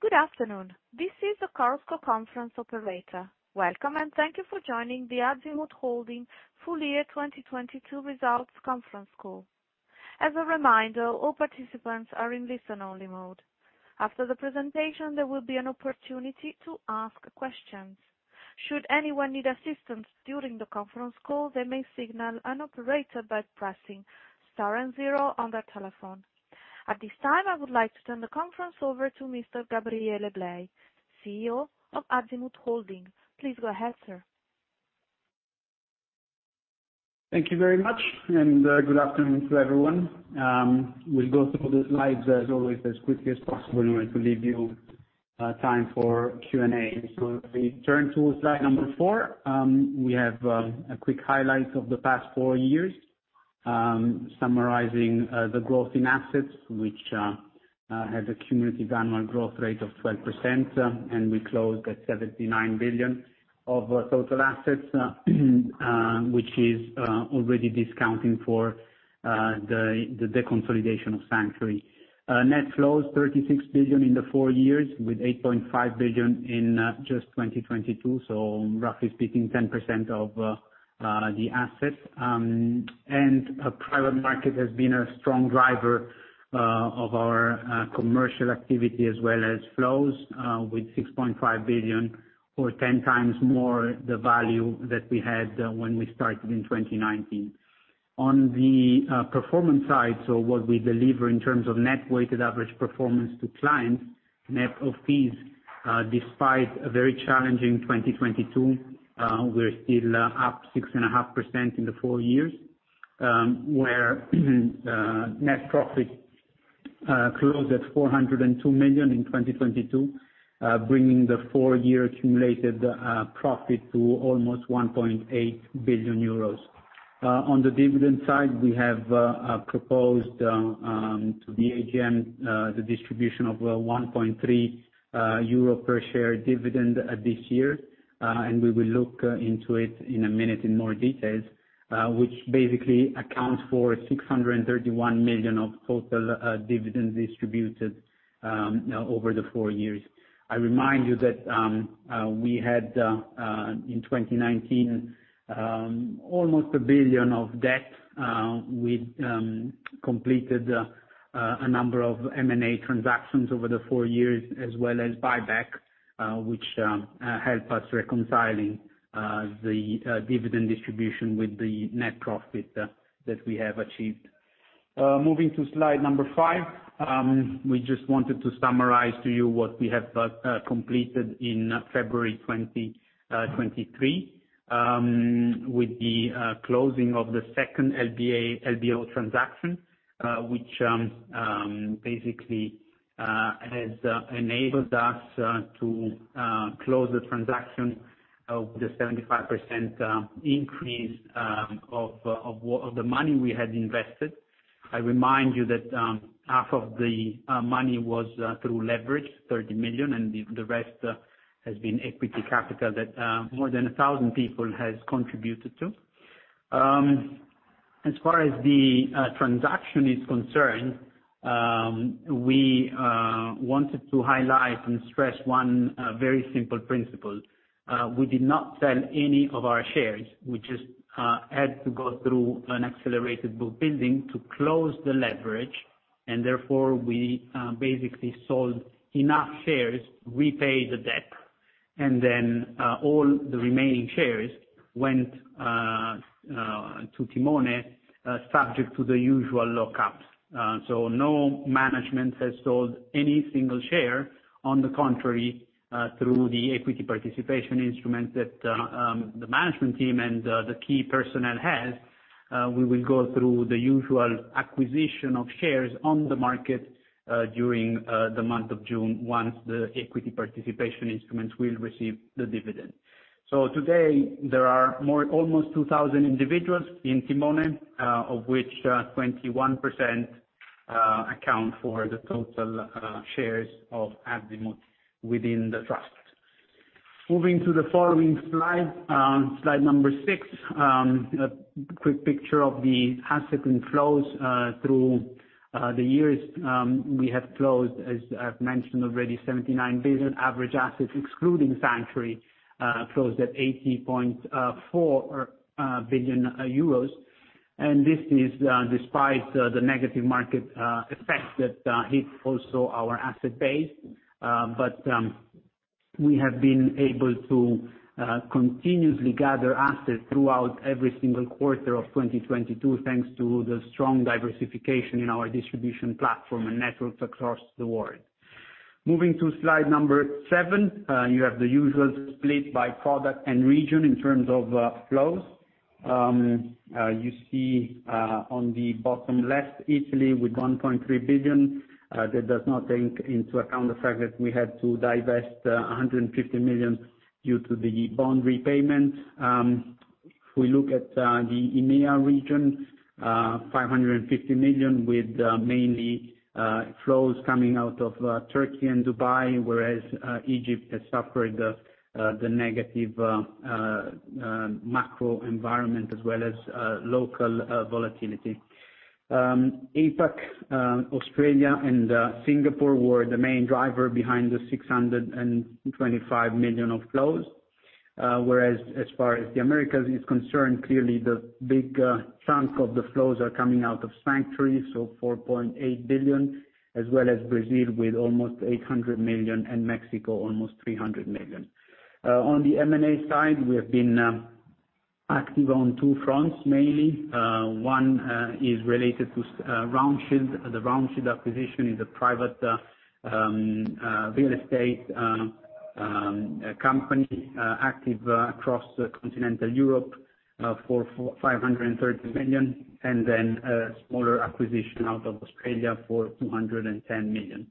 Good afternoon. This is the Chorus Call Conference Operator. Welcome, and thank you for joining the Azimut Holding Full Year 2022 results conference call. As a reminder, all participants are in listen-only mode. After the presentation, there will be an opportunity to ask questions. Should anyone need assistance during the conference call, they may signal an operator by pressing star and zero on their telephone. At this time, I would like to turn the conference over to Mr. Gabriele Blei, CEO of Azimut Holding. Please go ahead, sir. Thank you very much, and good afternoon to everyone. We'll go through the slides as always, as quickly as possible in order to leave you time for Q&A. If we turn to slide number four, we have a quick highlight of the past four years. Summarizing the growth in assets, which had a cumulative annual growth rate of 12%, and we closed at 79 billion of total assets, which is already discounting for the deconsolidation of Sanctuary Wealth. Net flows, 36 billion in the four years with 8.5 billion in just 2022, so roughly speaking, 10% of the assets. A private market has been a strong driver of our commercial activity as well as flows, with 6.5 billion or 10x more the value that we had when we started in 2019. On the performance side, so what we deliver in terms of net weighted average performance to clients, net of fees, despite a very challenging 2022, we're still up 6.5% in the four years, where net profit closed at 402 million in 2022, bringing the 4-year accumulated profit to almost 1.8 billion euros. The dividend side, we have proposed to the AGM the distribution of 1.3 euro per share dividend this year. We will look into it in a minute in more details, which basically accounts for 631 million of total dividend distributed over the four years. I remind you that we had in 2019 almost a billion of debt, with completed a number of M&A transactions over the four years as well as buyback, which help us reconciling the dividend distribution with the net profit that we have achieved. Moving to slide number five, we just wanted to summarize to you what we have completed in February 2023 with the closing of the second LBO transaction, which basically has enabled us to close the transaction of the 75% increase of what of the money we had invested. I remind you that half of the money was through leverage, 30 million, and the rest has been equity capital that more than 1,000 people has contributed to. As far as the transaction is concerned, we wanted to highlight and stress one very simple principle. We did not sell any of our shares. We just had to go through an accelerated book building to close the leverage. We basically sold enough shares, repay the debt, and then all the remaining shares went to Timone, subject to the usual lockups. No management has sold any single share, on the contrary, through the equity participation instrument that the management team and the key personnel has. We will go through the usual acquisition of shares on the market during the month of June once the equity participation instruments will receive the dividend. Today, there are almost 2,000 individuals in Timone, of which 21% account for the total shares of Azimut within the trust. Moving to the following slide number six, a quick picture of the asset and flows through the years, we have closed, as I've mentioned already, 79 billion. Average assets excluding Sanctuary Wealth closed at 80.4 billion euros. This is despite the negative market effects that hit also our asset base. But we have been able to continuously gather assets throughout every single quarter of 2022. Thanks to the strong diversification in our distribution platform and networks across the world. Moving to slide number seven, you have the usual split by product and region in terms of flows. You see on the bottom left, Italy with 1.3 billion, that does not take into account the fact that we had to divest 150 million due to the bond repayment. If we look at the EMEA region, 550 million with mainly flows coming out of Turkey and Dubai, whereas Egypt has suffered the negative macro environment as well as local volatility. APAC, Australia and Singapore were the main driver behind the 625 million of flows. Whereas as far as the Americas is concerned, clearly the big chunk of the flows are coming out of Sanctuary Wealth. So 4.8 billion, as well as Brazil with almost 800 million, and Mexico almost 300 million. On the M&A side, we have been active on two fronts, mainly. One is related to RoundShield. The RoundShield acquisition is a private real estate company active across continental Europe for 530 million, and then a smaller acquisition out of Australia for 210 million.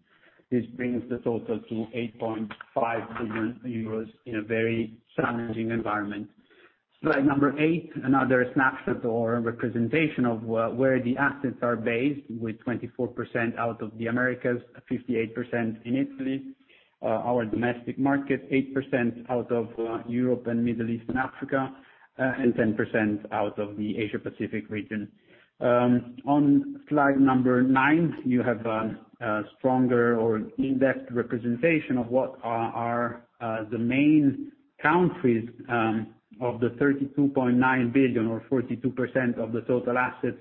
This brings the total to 8.5 billion euros in a very challenging environment. Slide number eight, another snapshot or representation of where the assets are based, with 24% out of the Americas, 58% in Italy, our domestic market, 8% out of Europe and Middle East and Africa, and 10% out of the Asia Pacific region. On slide number nine, you have a stronger or in-depth representation of what are the main countries of the 32.9 billion or 42% of the total assets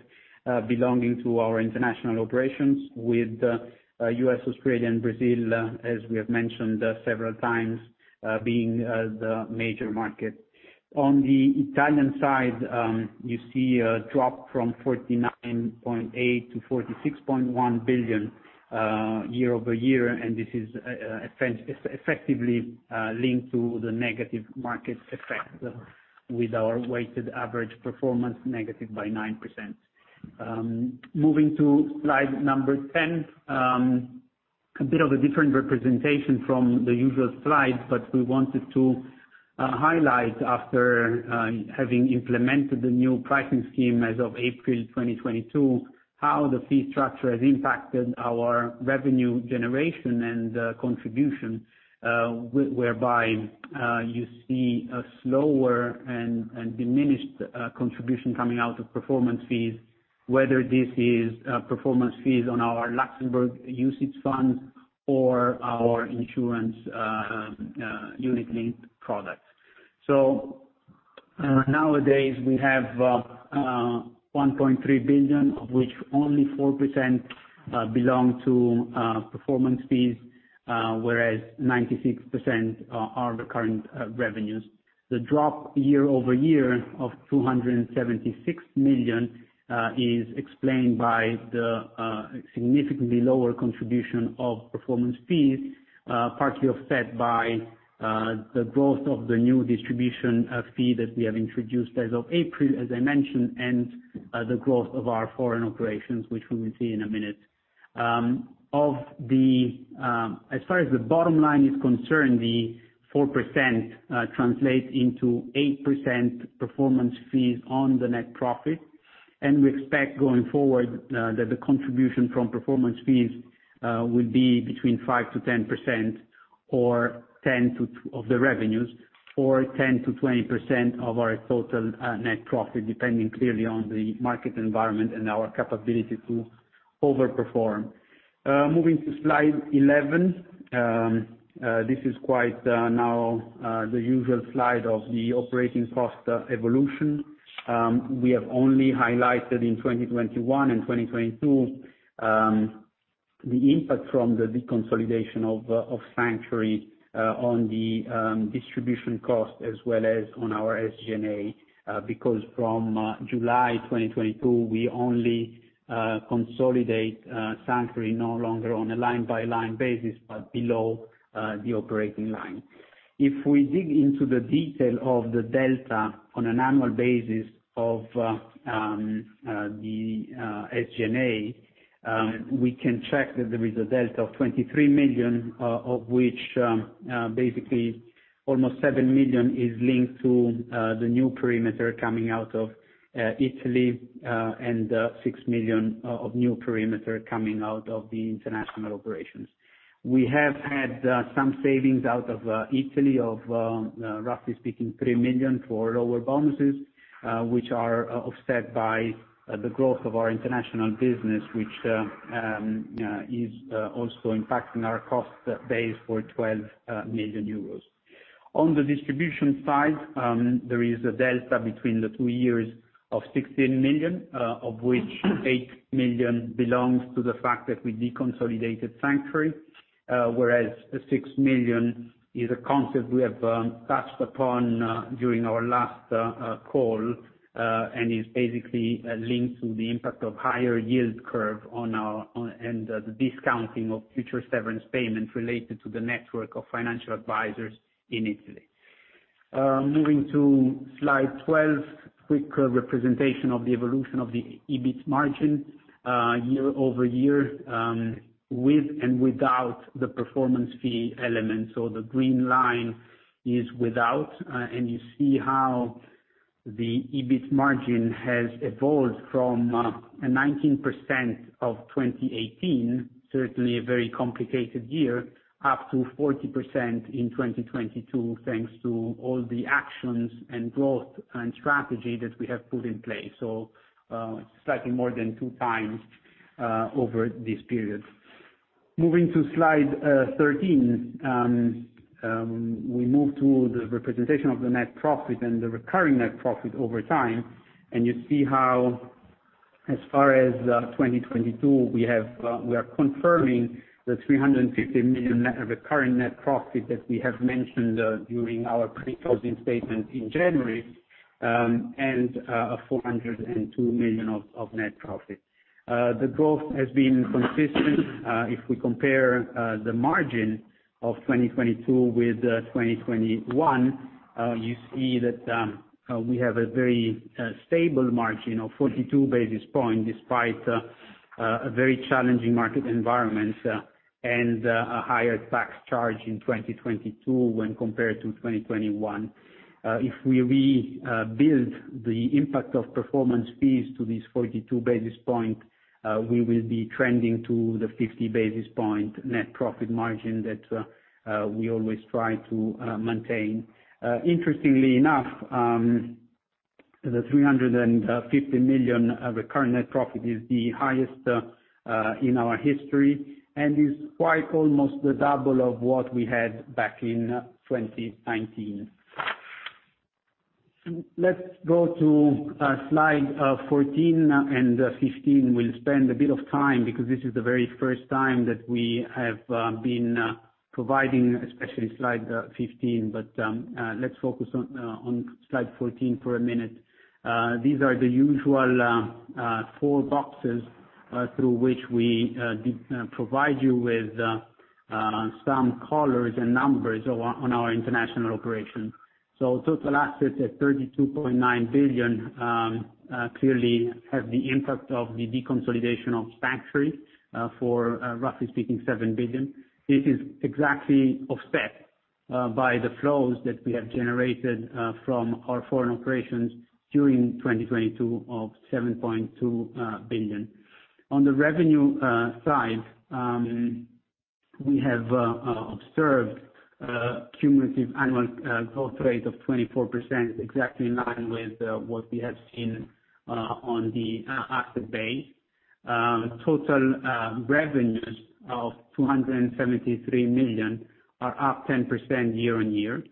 belonging to our international operations with U.S., Australia, and Brazil. As we have mentioned several times, being the major market. On the Italian side, you see a drop from 49.8 billion-46.1 billion year-over-year. This is effectively linked to the negative market effect with our weighted average performance negative by 9%. Moving to slide 10. A bit of a different representation from the usual slides. We wanted to highlight after having implemented the new pricing scheme as of April 2022, how the fee structure has impacted our revenue generation and contribution, whereby you see a slower and diminished contribution coming out of performance fees, whether this is performance fees on our Luxembourg UCITS fund or our Insurance Unit-Linked products. Nowadays, we have 1.3 billion, of which only 4% belong to performance fees, whereas 96% are the current revenues. The drop year-over-year of 276 million is explained by the significantly lower contribution of performance fees, partly offset by the growth of the new distribution fee that we have introduced as of April, as I mentioned, and the growth of our foreign operations, which we will see in a minute. Of the, as far as the bottom line is concerned, the 4% translates into 8% performance fees on the net profit. We expect going forward that the contribution from performance fees will be between 5%-10% of the revenues, or 10%-20% of our total net profit, depending clearly on the market environment and our capability to over-perform. Moving to slide 11. This is quite now the usual slide of the operating cost evolution. We have only highlighted in 2021 and 2022 the impact from the deconsolidation of Sanctuary Wealth on the distribution cost as well as on our SG&A, because from July 2022, we only consolidate Sanctuary Wealth no longer on a line-by-line basis, but below the operating line. If we dig into the detail of the delta on an annual basis of the SG&A, we can check that there is a delta of 23 million, of which basically almost 7 million is linked to the new perimeter coming out of Italy, and 6 million of new perimeter coming out of the international operations. We have had some savings out of Italy of roughly speaking, 3 million for lower bonuses, which are offset by the growth of our International business, which is also impacting our cost base for 12 million euros. On the distribution side, there is a delta between the two years of 16 million, of which 8 million belongs to the fact that we deconsolidated Sanctuary Wealth. Whereas the 6 million is a concept we have touched upon during our last call, and is basically linked to the impact of higher yield curve on our, and the discounting of future severance payments related to the network of financial advisors in Italy. Moving to slide 12. Quick representation of the evolution of the EBIT margin year-over-year, with and without the performance fee element. The green line is without, and you see how the EBIT margin has evolved from a 19% of 2018, certainly a very complicated year, up to 40% in 2022, thanks to all the actions and growth and strategy that we have put in place. Slightly more than 2x over this period. Moving to slide 13. We move to the representation of the net profit and the recurring net profit over time. As far as 2022, we have, we are confirming the 350 million net recurring net profit that we have mentioned during our pre-closing statement in January, and 402 million of net profit. The growth has been consistent. If we compare the margin of 2022 with 2021, you see that we have a very stable margin of 42 basis points despite a very challenging market environment and a higher tax charge in 2022 when compared to 2021. If we rebuild the impact of performance fees to these 42 basis points, we will be trending to the 50 basis points net profit margin that we always try to maintain. Interestingly enough, the 350 million of recurring net profit is the highest in our history and is quite almost the double of what we had back in 2019. Let's go to slide 14 and 15. We'll spend a bit of time because this is the very first time that we have been providing, especially slide 15. Let's focus on slide 14 for a minute. These are the usual four boxes through which we provide you with some colors and numbers on our international operations. Total assets at 32.9 billion clearly have the impact of the deconsolidation of Sanctuary Wealth for roughly speaking, 7 billion. This is exactly offset by the flows that we have generated from our foreign operations during 2022 of 7.2 billion. On the revenue side, we have observed a cumulative annual growth rate of 24%, exactly in line with what we have seen on the asset base. Total revenues of 273 million are up 10% year-over-year.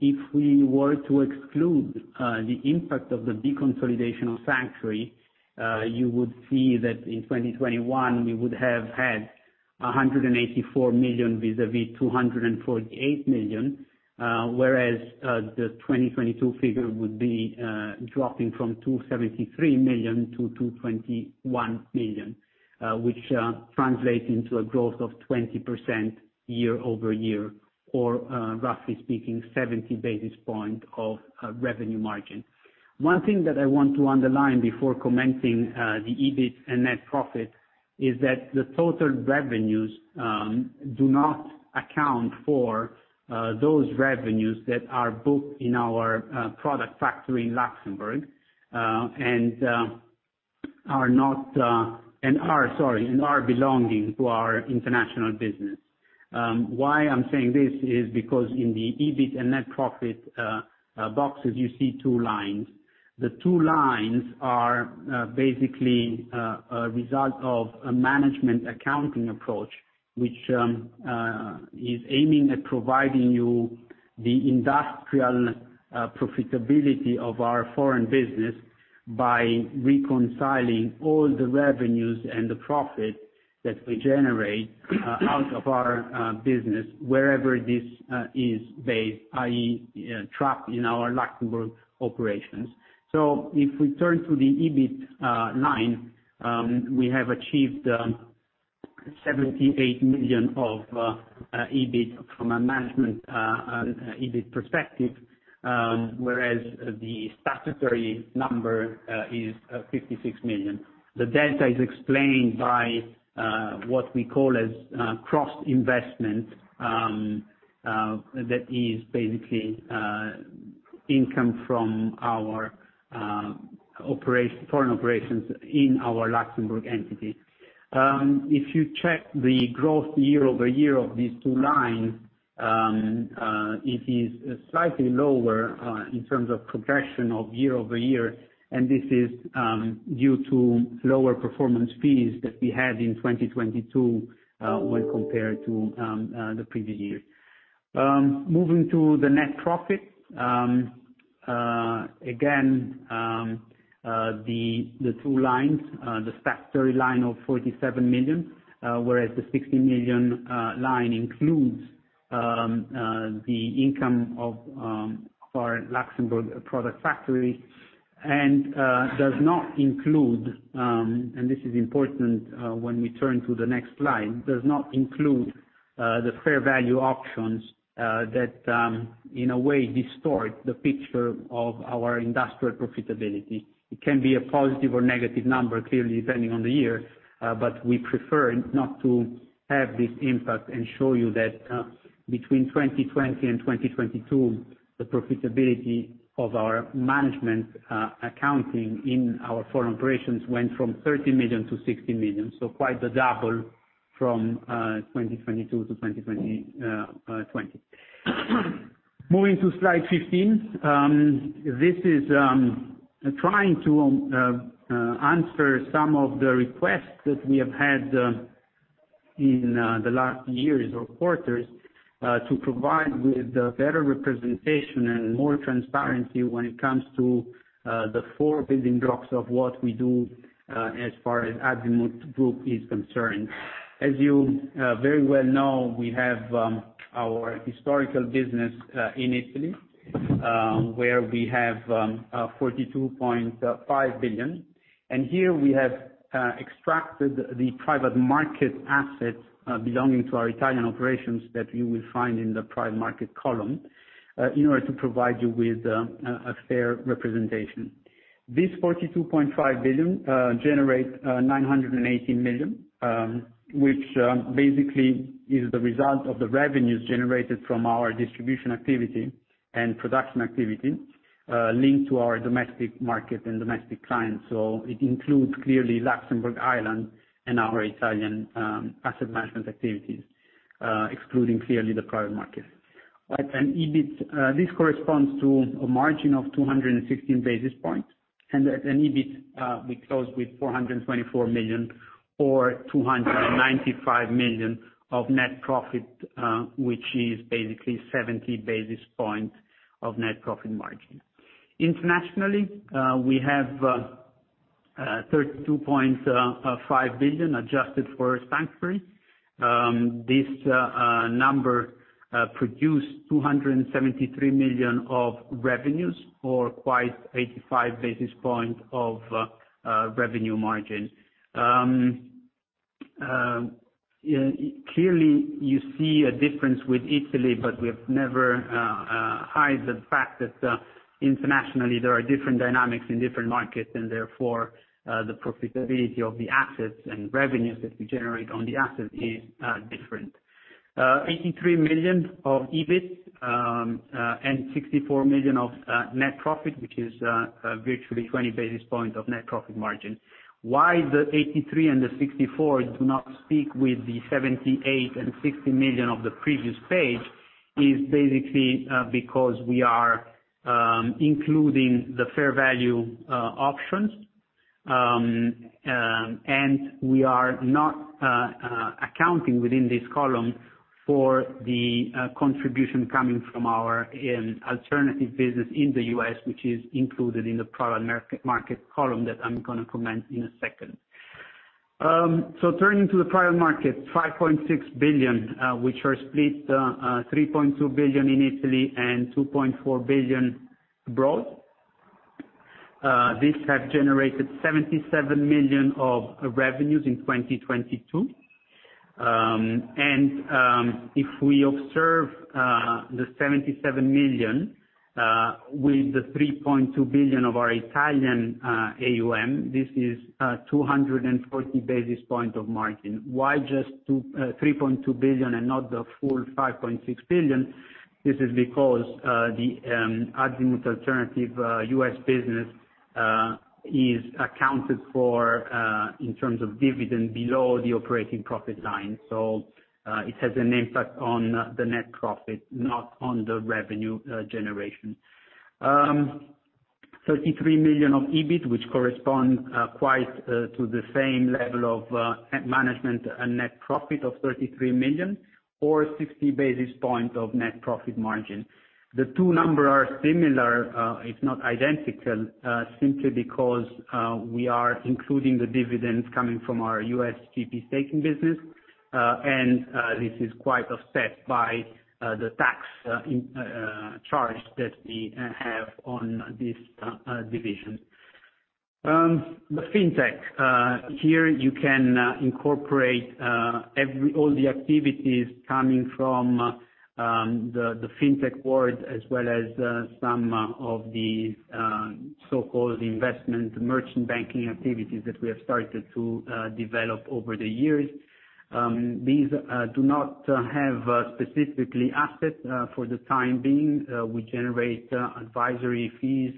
If we were to exclude the impact of the deconsolidation of Sanctuary Wealth, you would see that in 2021, we would have had 184 million vis-a-vis 248 million. Whereas the 2022 figure would be dropping from 273 million to 221 million, which translates into a growth of 20% year-over-year, or roughly speaking, 70 basis point of revenue margin. One thing that I want to underline before commenting the EBIT and net profit, is that the total revenues do not account for those revenues that are booked in our product factory in Luxembourg, and are, sorry, and are belonging to our International business. Why I'm saying this is because in the EBIT and net profit boxes, you see two lines. The two lines are basically a result of a management accounting approach, which is aiming at providing you the industrial profitability of our foreign business by reconciling all the revenues and the profit that we generate out of our business wherever this is based, i.e., trapped in our Luxembourg operations. If we turn to the EBIT line, we have achieved 78 million of EBIT from a management EBIT perspective, whereas the statutory number is 56 million. The delta is explained by what we call as cross investment that is basically income from our foreign operations in our Luxembourg entity. If you check the growth year-over-year of these two lines, it is slightly lower in terms of progression of year-over-year, and this is due to lower performance fees that we had in 2022 when compared to the previous year. Moving to the net profit. Again, the two lines, the statutory line of 47 million, whereas the 60 million line includes the income of our Luxembourg product factory and does not include, and this is important when we turn to the next slide. Does not include the fair value options that in a way distort the picture of our industrial profitability. It can be a positive or negative number, clearly depending on the year, but we prefer not to have this impact and show you that, between 2020 and 2022, the profitability of our management, accounting in our foreign operations went from 30 million-60 million. Quite the double. From 2022 to 2020. Moving to slide 15, this is trying to answer some of the requests that we have had, in the last years or quarters, to provide with a better representation and more transparency when it comes to, the four building blocks of what we do, as far as Azimut Group is concerned. As you very well know, we have our historical business in Italy, where we have 42.5 billion. Here we have extracted the private market assets belonging to our Italian operations that you will find in the private market column in order to provide you with a fair representation. This 42.5 billion generates 980 million, which basically is the result of the revenues generated from our distribution activity and production activity linked to our domestic market and domestic clients. It includes clearly Luxembourg, Ireland, and our Italian asset management activities, excluding clearly the private market. At an EBIT, this corresponds to a margin of 216 basis points. At an EBIT, we close with 424 million or 295 million of net profit, which is basically 70 basis points of net profit margin. Internationally, we have 32.5 billion adjusted for Sanctuary Wealth. This number produce 273 million of revenues or quite 85 basis points of revenue margin. Clearly, you see a difference with Italy, but we have never hide the fact that internationally there are different dynamics in different markets, and therefore, the profitability of the assets and revenues that we generate on the assets is different. 83 million of EBIT and 64 million of net profit, which is virtually 20 basis points of net profit margin. Why the 83 million and the 64 million do not speak with the 78 million and 60 million of the previous page is basically because we are including the fair value options and we are not accounting within this column for the contribution coming from our alternative business in the U.S., which is included in the private market column that I'm gonna comment in a second. Turning to the private market, 5.6 billion, which are split 3.2 billion in Italy and 2.4 billion abroad. This have generated 77 million of revenues in 2022. If we observe the 77 million with the 3.2 billion of our Italian AUM, this is 240 basis points of margin. Why just 3.2 billion and not the full 5.6 billion? This is because the Azimut Alternative U.S. business is accounted for in terms of dividend below the operating profit line. It has an impact on the net profit, not on the revenue generation. 33 million of EBIT, which correspond quite to the same level of management and net profit of 33 million or 60 basis point of net profit margin. The two number are similar, if not identical, simply because we are including the dividends coming from our U.S. GP staking business. This is quite offset by the tax charge that we have on this division. The Fintech, here you can incorporate all the activities coming from the Fintech world, as well as some of the so-called investment merchant banking activities that we have started to develop over the years. These do not have specifically assets for the time being. We generate advisory fees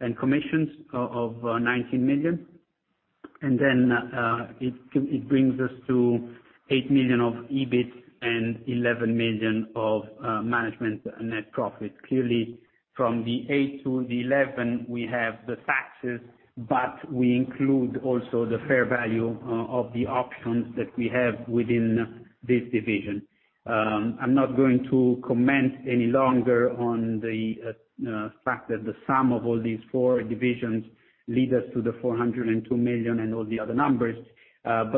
and commissions of 19 million. It brings us to 8 million of EBIT and 11 million of management net profit. Clearly, from the 8 million-11 million, we have the taxes, but we include also the fair value of the options that we have within this division. I'm not going to comment any longer on the fact that the sum of all these four divisions lead us to the 402 million and all the other numbers.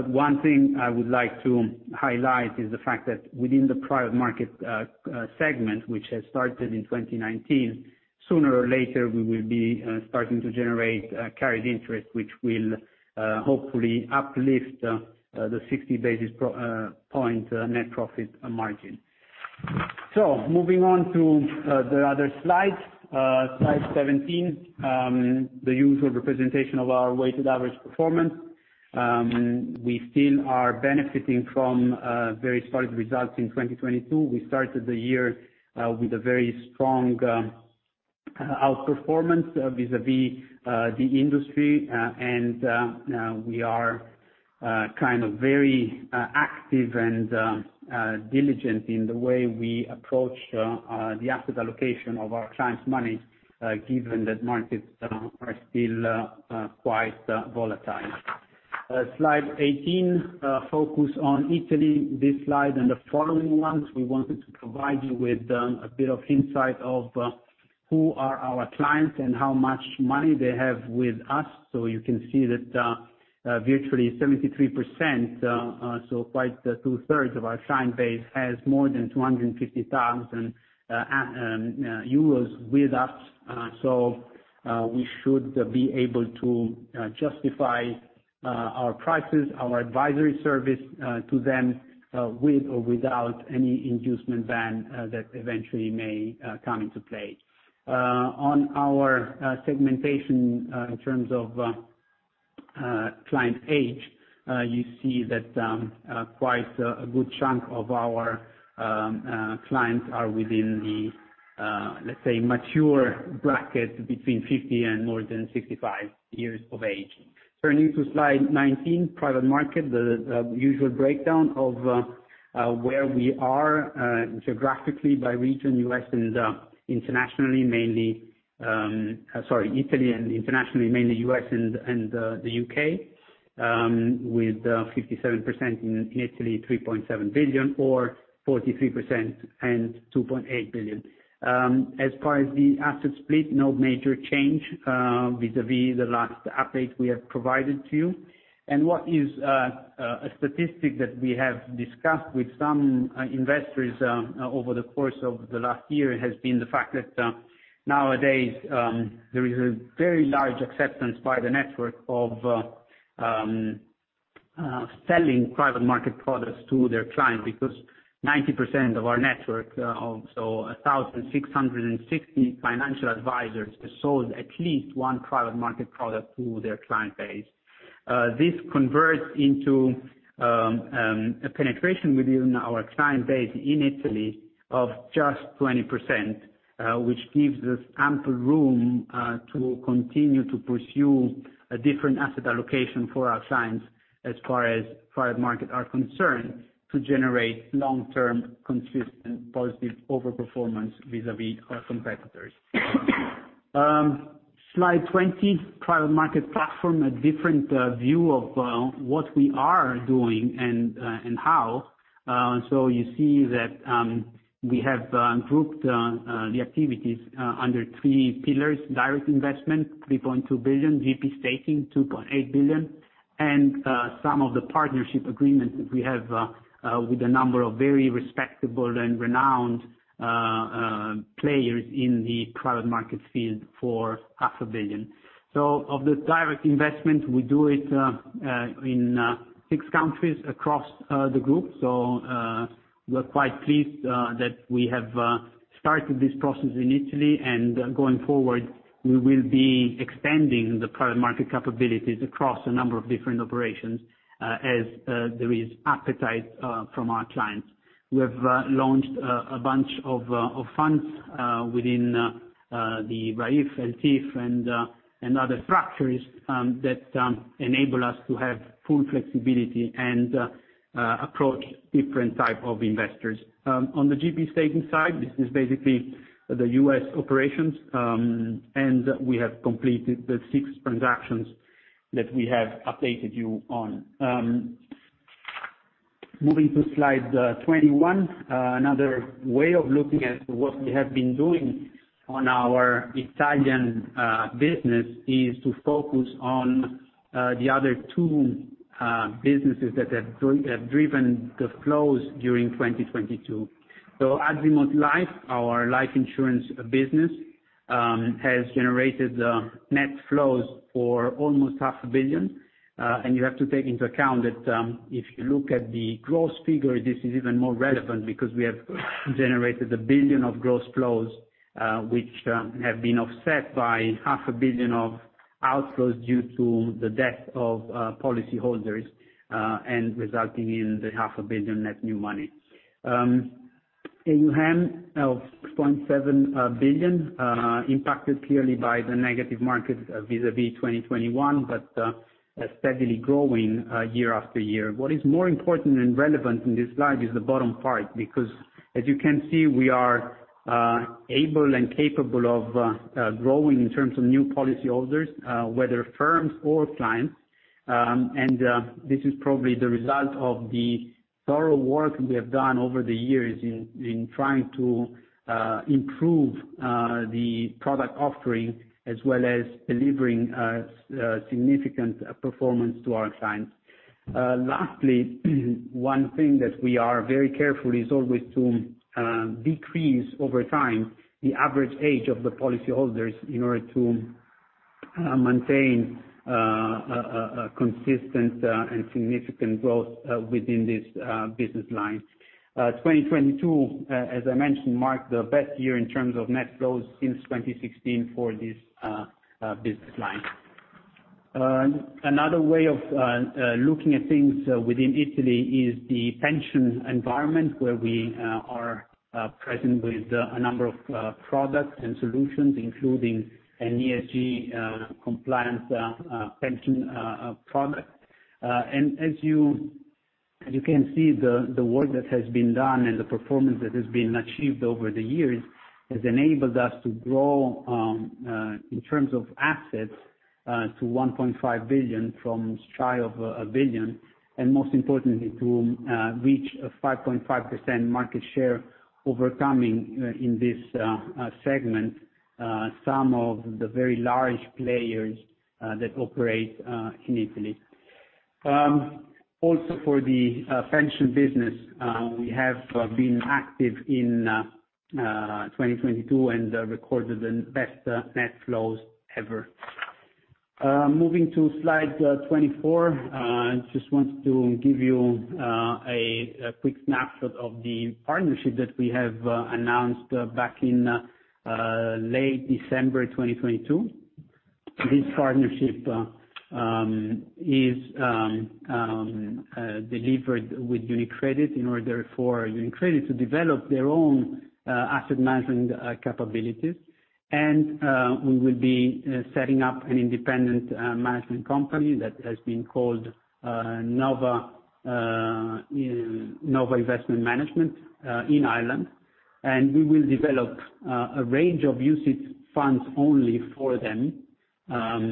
One thing I would like to highlight is the fact that within the private market segment, which has started in 2019, sooner or later we will be starting to generate carried interest, which will hopefully uplift the 60 basis point net profit margin. Moving on to the other slide 17, the usual representation of our weighted average performance. We still are benefiting from very solid results in 2022. We started the year with a very strong performance vis-a-vis the industry, and we are kind of very active and diligent in the way we approach the asset allocation of our clients' money, given that markets are still quite volatile. Slide 18, focus on Italy. This slide and the following ones, we wanted to provide you with a bit of insight of who are our clients and how much money they have with us. You can see that virtually 73%, so quite the 2/3 of our client base has more than 250,000 euros with us. We should be able to justify our prices, our advisory service to them, with or without any inducement ban that eventually may come into play. On our segmentation, in terms of client age, you see that quite a good chunk of our clients are within the, let's say mature bracket between 50 and more than 65 years of age. Turning to slide 19, private market. The usual breakdown of where we are geographically by region, U.S. and internationally, mainly sorry, Italy and internationally, mainly U.S. and the U.K., with 57% in Italy, 3.7 billion or 43% and 2.8 billion. As far as the asset split, no major change vis-a-vis the last update we have provided to you. What is a statistic that we have discussed with some investors over the course of the last year, has been the fact that nowadays. There is a very large acceptance by the network of selling private market products to their clients. 90% of our network, so 1,660 financial advisors have sold at least one private market product to their client base. This converts into a penetration within our client base in Italy of just 20%, which gives us ample room to continue to pursue a different asset allocation for our clients as far as private market are concerned, to generate long-term, consistent, positive overperformance vis-a-vis our competitors. Slide 20, Private Market Platform, a different view of what we are doing and how. You see that we have grouped the activities under three pillars. Direct investment, 3.2 billion, GP staking, 2.8 billion, and some of the partnership agreements that we have with a number of very respectable and renowned players in the private market field for half a billion. Of the direct investment, we do it in six countries across the group. We're quite pleased that we have started this process in Italy, and going forward, we will be expanding the private market capabilities across a number of different operations as there is appetite from our clients. We have launched a bunch of funds within the Raiffeisen and other structures that enable us to have full flexibility and approach different type of investors. On the GP staking side, this is basically the U.S. operations, and we have completed the six transactions that we have updated you on. Moving to slide 21. Another way of looking at what we have been doing on our Italian business, is to focus on the other two businesses that have driven the flows during 2022. Azimut Life, our life Insurance business, has generated net flows for almost EUR .5 billion. You have to take into account that, if you look at the gross figure, this is even more relevant because we have generated 1 billion of gross flows, which have been offset by EUR .5 billion of outflows due to the death of policyholders. And resulting in the EUR .5 billion net new money. AUM of 6.7 billion, impacted clearly by the negative markets vis-a-vis 2021, but steadily growing year-after-year. What is more important and relevant in this slide is the bottom part. As you can see, we are able and capable of growing in terms of new policyholders, whether firms or clients. This is probably the result of the thorough work we have done over the years in trying to improve the product offering as well as delivering significant performance to our clients. One thing that we are very careful is always to decrease over time, the average age of the policyholders in order to maintain a consistent and significant growth within this business line. 2022, as I mentioned, marked the best year in terms of net flows since 2016 for this business line. Another way of looking at things within Italy is the pension environment, where we are present with a number of products and solutions, including an ESG Compliance Pension Product. As you can see, the work that has been done and the performance that has been achieved over the years has enabled us to grow in terms of assets to 1.5 billion from shy of 1 billion. Most importantly, to reach a 5.5% market share, overcoming in this segment some of the very large players that operate in Italy. For the Pension business, we have been active in 2022 and recorded the best net flows ever. Moving to slide 24. Just wanted to give you a quick snapshot of the partnership that we have announced back in late December 2022. This partnership is delivered with UniCredit in order for UniCredit to develop their own asset management capabilities. We will be setting up an independent management company that has been called Nova Investment Management in Ireland. We will develop a range of UCITS funds only for them of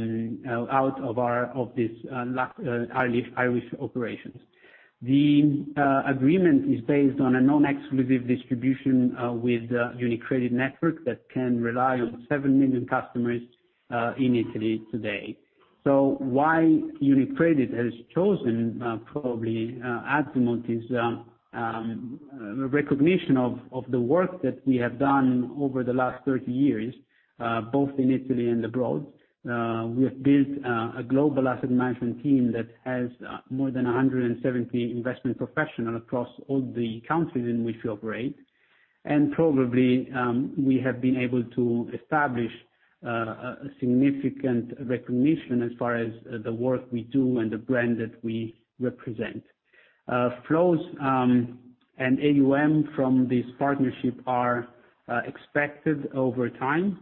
this Irish operations. The agreement is based on a non-exclusive distribution with the UniCredit network that can rely on seven million customers in Italy today. Why UniCredit has chosen probably Azimut is a recognition of the work that we have done over the last 30 years both in Italy and abroad. We have built a global asset management team that has more than 170 investment professional across all the countries in which we operate. Probably, we have been able to establish a significant recognition as far as the work we do and the brand that we represent. Flows and AUM from this partnership are expected over time.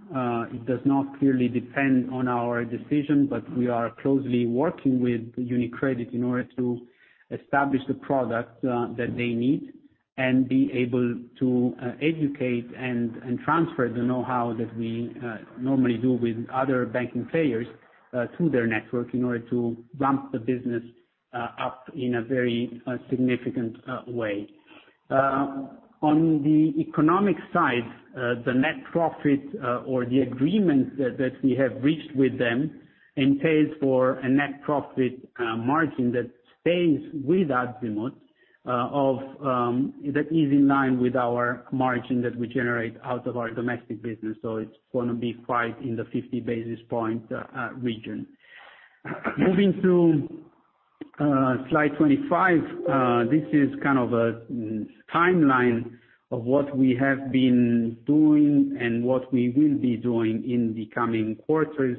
It does not clearly depend on our decision, but we are closely working with UniCredit in order to establish the product that they need and be able to educate and transfer the know-how that we normally do with other banking players to their network in order to ramp the business up in a very significant way. Side, the net profit, or the agreement that we have reached with them, entails for a net profit margin that stays with Azimut of, that is in line with our margin that we generate out of our domestic business. So it's going to be quite in the 50 basis point region. Moving to slide 25. This is kind of a timeline of what we have been doing and what we will be doing in the coming quarters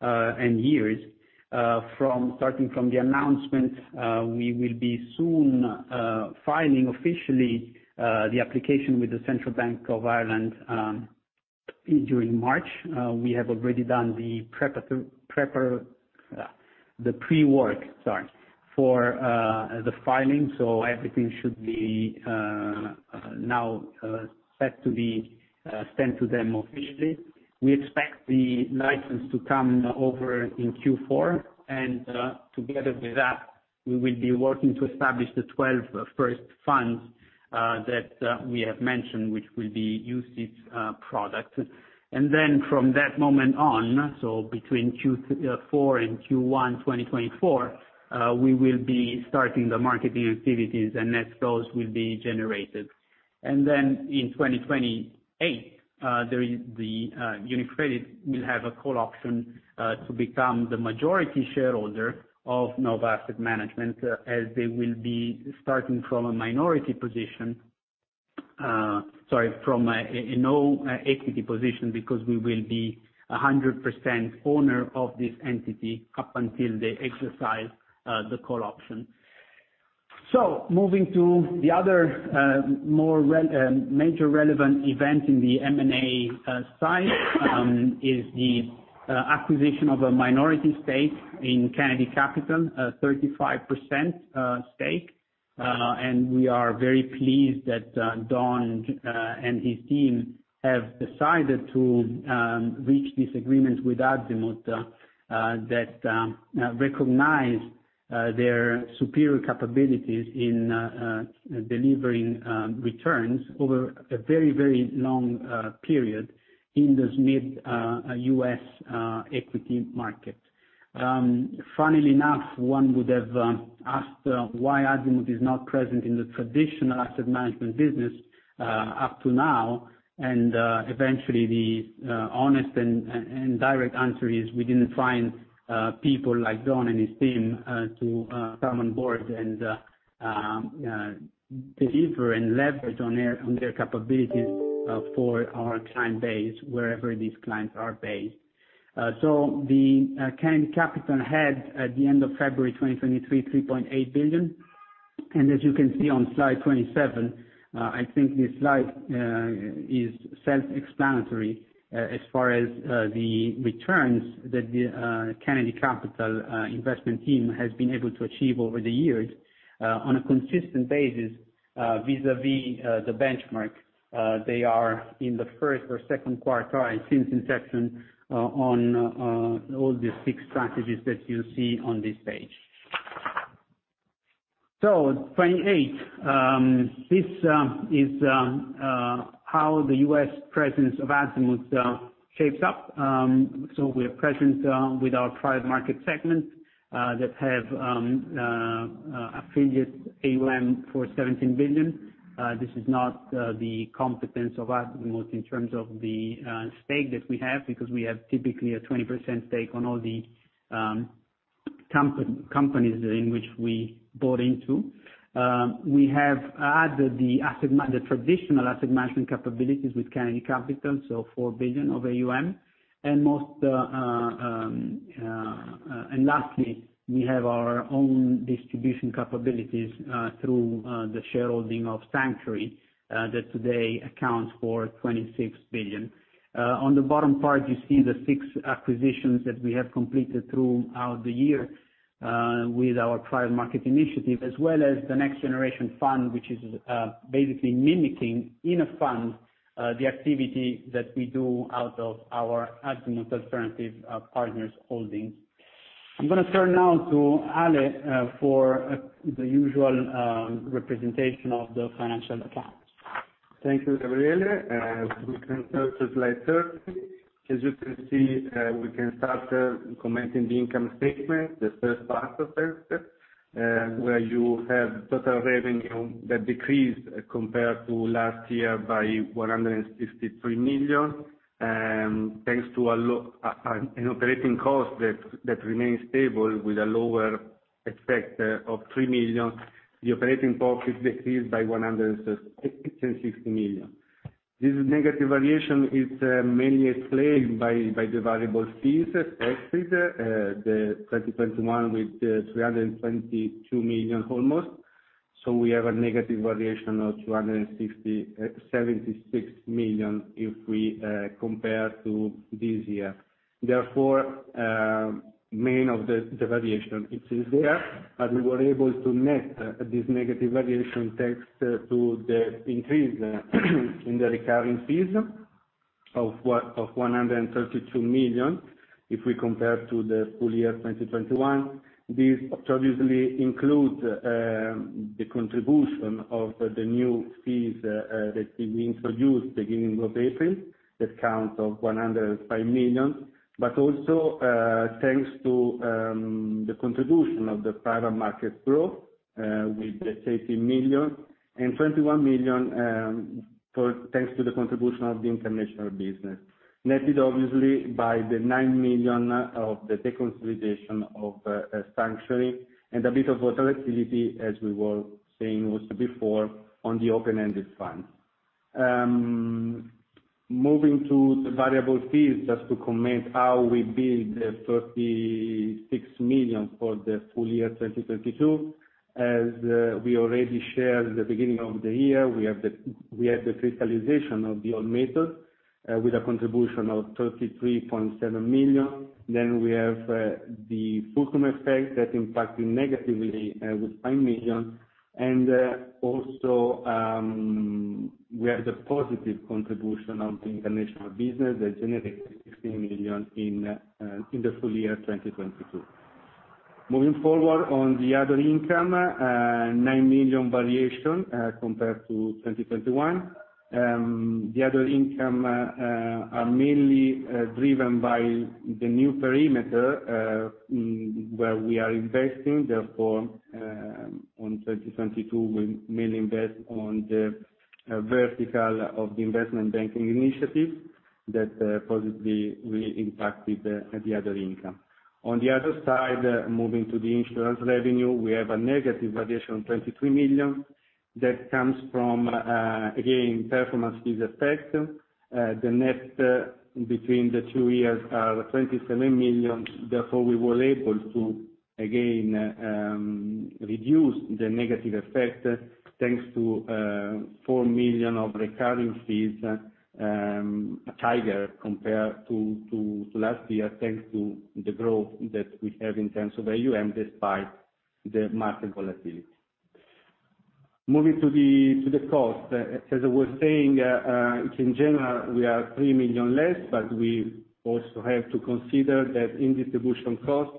and years. Starting from the announcement, we will be soon filing officially the application with the Central Bank of Ireland during March. We have already done the pre-work, sorry, for the filing. So everything should be now set to be sent to them officially. We expect the license to come over in Q4, and together with that, we will be working to establish the 12 first funds that we have mentioned, which will be UCITS product. From that moment on, so between Q4 and Q1 2024, we will be starting the marketing activities, and net flows will be generated. In 2028, there is the UniCredit will have a call option to become the majority shareholder of Nova Investment Management as they will be starting from a minority position. Sorry, from a no equity position, because we will be a 100% owner of this entity up until they exercise the call option. Moving to the other major relevant event in the M&A side, is the acquisition of a minority stake in Kennedy Capital, a 35% stake. We are very pleased that Don and his team have decided to reach this agreement with Azimut that recognize their superior capabilities in delivering returns over a very, very long period in this mid U.S. equity market. Funnily enough, one would have asked why Azimut is not present in the traditional asset management business up to now. Eventually, the honest and direct answer is, we didn't find people like Don and his team to come on board and deliver and leverage on their capabilities for our client base wherever these clients are based. The Kennedy Capital had, at the end of February 2023, 3.8 billion. As you can see on slide 27, I think this slide is self-explanatory as far as the returns that the Kennedy Capital Investment Team has been able to achieve over the years on a consistent basis vis-à-vis the benchmark. They are in the first or second quartile since inception on all the six strategies that you see on this page. Slide 28, this is how the U.S. presence of Azimut shapes up. We're present with our private market segment that have affiliate AUM for 17 billion. This is not the competence of Azimut in terms of the stake that we have because we have typically a 20% stake on all the companies in which we bought into. We have added the traditional asset management capabilities with Kennedy Capital, so 4 billion of AUM. Most and lastly, we have our own distribution capabilities through the shareholding of Sanctuary Wealth that today accounts for 26 billion. On the bottom part you see the six acquisitions that we have completed throughout the year, with our private market initiative, as well as the Next Generation Fund, which is basically mimicking in a fund, the activity that we do out of our Azimut Alternative Partners Holdings. I'm gonna turn now to Ale, for the usual representation of the financial accounts. Thank you, Gabriele. We can go to slide 30. As you can see, we can start commenting the income statement, the first part of it, where you have total revenue that decreased compared to last year by 163 million, thanks to an operating cost that remains stable with a lower effect of 3 million, the operating profit decreased by 166 million. This negative variation is mainly explained by the variable fees, actually, the 2021 with 322 million almost. We have a negative variation of 76 million if we compare to this year. Main of the variation it is there, we were able to net this negative variation thanks to the increase in the recurring fees of 132 million if we compare to the full year 2021. This obviously includes the contribution of the new fees that we introduced beginning of April, that counts of 105 million, also thanks to the contribution of the private market growth with the 18 million and 21 million thanks to the contribution of the International business. Netted obviously by the 9 million of the deconsolidation of Sanctuary Wealth and a bit of volatility as we were saying was before on the open-ended fund. Moving to the variable fees just to comment how we build the 36 million for the full year 2022. As we already shared at the beginning of the year, we had the crystallization of the old method, with a contribution of 33.7 million. We have the fulcrum effect that impacted negatively, with EUR 5 million. Also, we have the positive contribution of the International business that generated 16 million in the full year 2022. Moving forward on the other income, 9 million variation compared to 2021. The other income are mainly driven by the new perimeter where we are investing. Therefore, on 2022, we mainly invest on the vertical of the investment banking initiative that positively impacted the other income. On the other side, moving to the Insurance revenue, we have a negative variation of 23 million that comes from, again, performance fees effect. The net between the two years are 27 million. Therefore, we were able to again reduce the negative effect thanks to 4 million of recurring fees, higher compared to last year, thanks to the growth that we have in terms of AUM despite the market volatility. Moving to the cost, as I was saying, in general, we are 3 million less, but we also have to consider that in distribution costs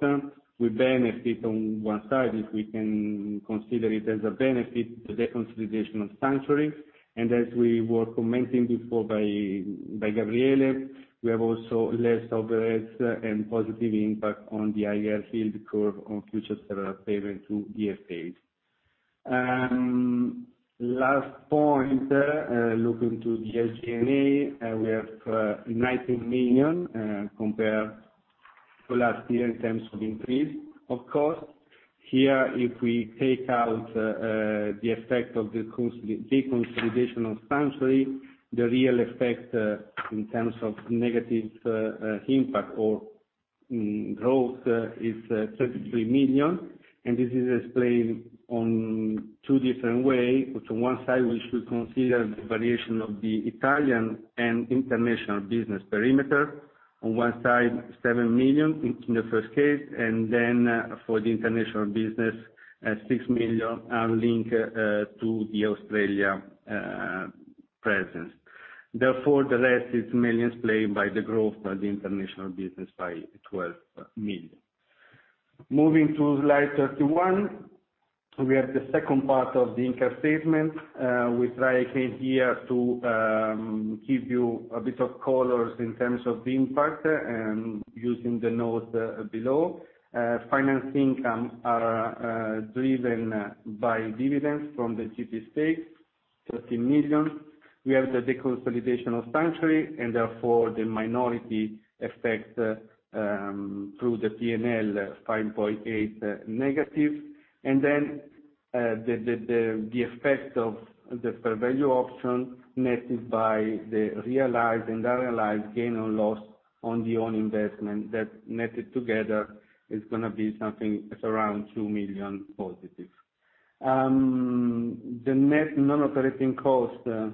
we benefit on one side, if we can consider it as a benefit to the consolidation of Sanctuary Wealth. As we were commenting before by Gabriele, we have also less overheads and positive impact on the higher yield curve on future severance payment to IFAs. Last point, looking to the SG&A, we have 19 million compared to last year in terms of increase of costs. Here, if we take out the effect of the deconsolidation of Sanctuary Wealth, the real effect in terms of negative impact or growth is 33 million, this is explained on two different way. One side, we should consider the variation of the Italian and International business perimeter. On one side, 7 million in the first case, then for the International business, 6 million are linked to the Australia presence. The rest is mainly explained by the growth by the International business by 12 million. Moving to slide 31, we have the second part of the income statement. We try again here to give you a bit of colors in terms of the impact, using the notes below. Finance income are driven by dividends from the GP stake, 13 million. We have the deconsolidation of Sanctuary Wealth and therefore, the minority effect through the P&L, 5.8-. Then, the effect of the fair value option netted by the realized and unrealized gain or loss on the own investment that, netted together, is gonna be something around 2 million+. The net non-operating costs, the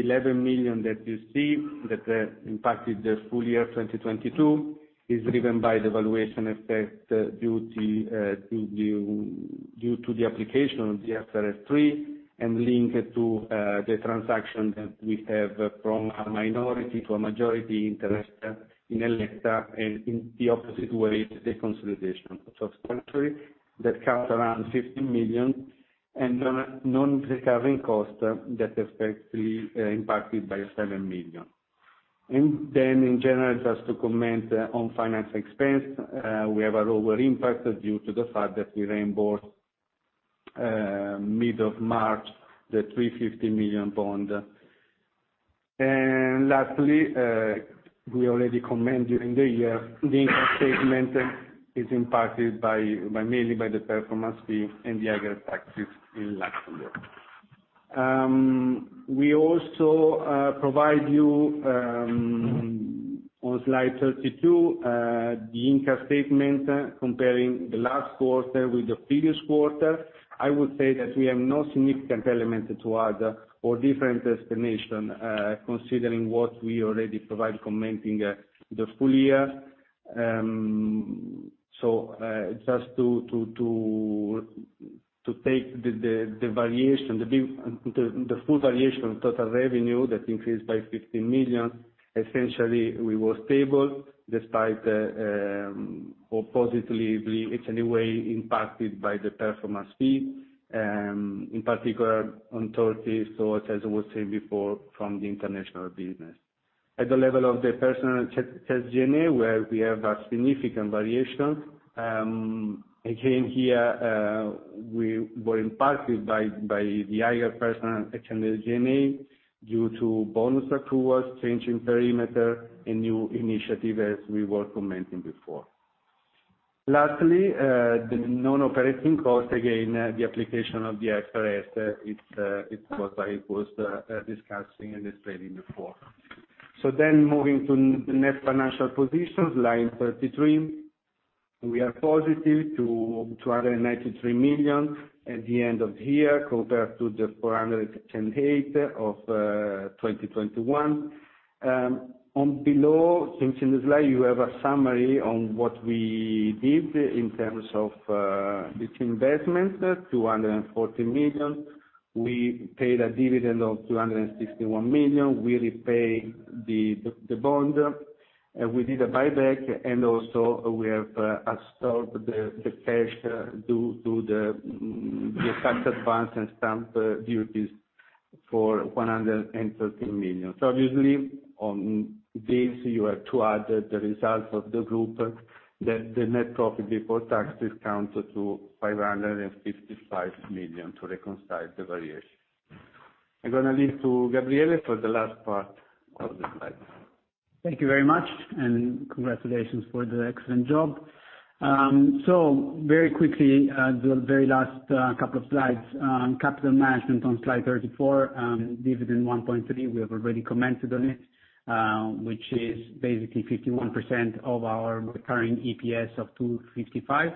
11 million that you see that impacted the full year 2022, is driven by the valuation effect due to the application of the IFRS 3 and linked to the transaction that we have from a minority to a majority interest in Elettra, in the opposite way, the consolidation of Sanctuary Wealth that count around 15 million. Non-recurring costs that effectively impacted by 7 million. In general, just to comment on finance expense, we have a lower impact due to the fact that we reimbursed mid of March, the 350 million bond. Lastly, we already comment during the year, the income statement is impacted by mainly by the performance fee and the higher taxes in Luxembourg. We also provide you on slide 32 the income statement comparing the last quarter with the previous quarter. I would say that we have no significant elements to add or different explanation considering what we already provide commenting the full year. Just to take the full variation of total revenue that increased by 15 million, essentially we were stable despite the or positively it's anyway impacted by the performance fee, in particular on 30. As I was saying before, from the International business. At the level of the Personnel and SG&A, where we have a significant variation, again here, we were impacted by the higher Personnel and SG&A due to bonus accruals, changing perimeter and new initiatives we were commenting before. Lastly, the non-operating costs, again, the application of the IFRS, it's what I was discussing and explaining before. Moving to net financial positions, slide 33. We are positive to 293 million at the end of year compared to 410.8 million of 2021. On below, since in the slide you have a summary on what we did in terms of this investment, 240 million. We paid a dividend of 261 million. We repay the bond. We did a buyback, and also we have absorbed the cash due to the effect advance and stamp duties for 113 million. Obviously, on this, you have to add the results of the group that the net profit before taxes counter to 555 million to reconcile the variation. I'm gonna leave to Gabriele Blei for the last part of the slides. Thank you very much. Congratulations for the excellent job. Very quickly, the very last couple of slides. Capital management on slide 34, dividend 1.3, we have already commented on it, which is basically 51% of our recurring EPS of 2.55.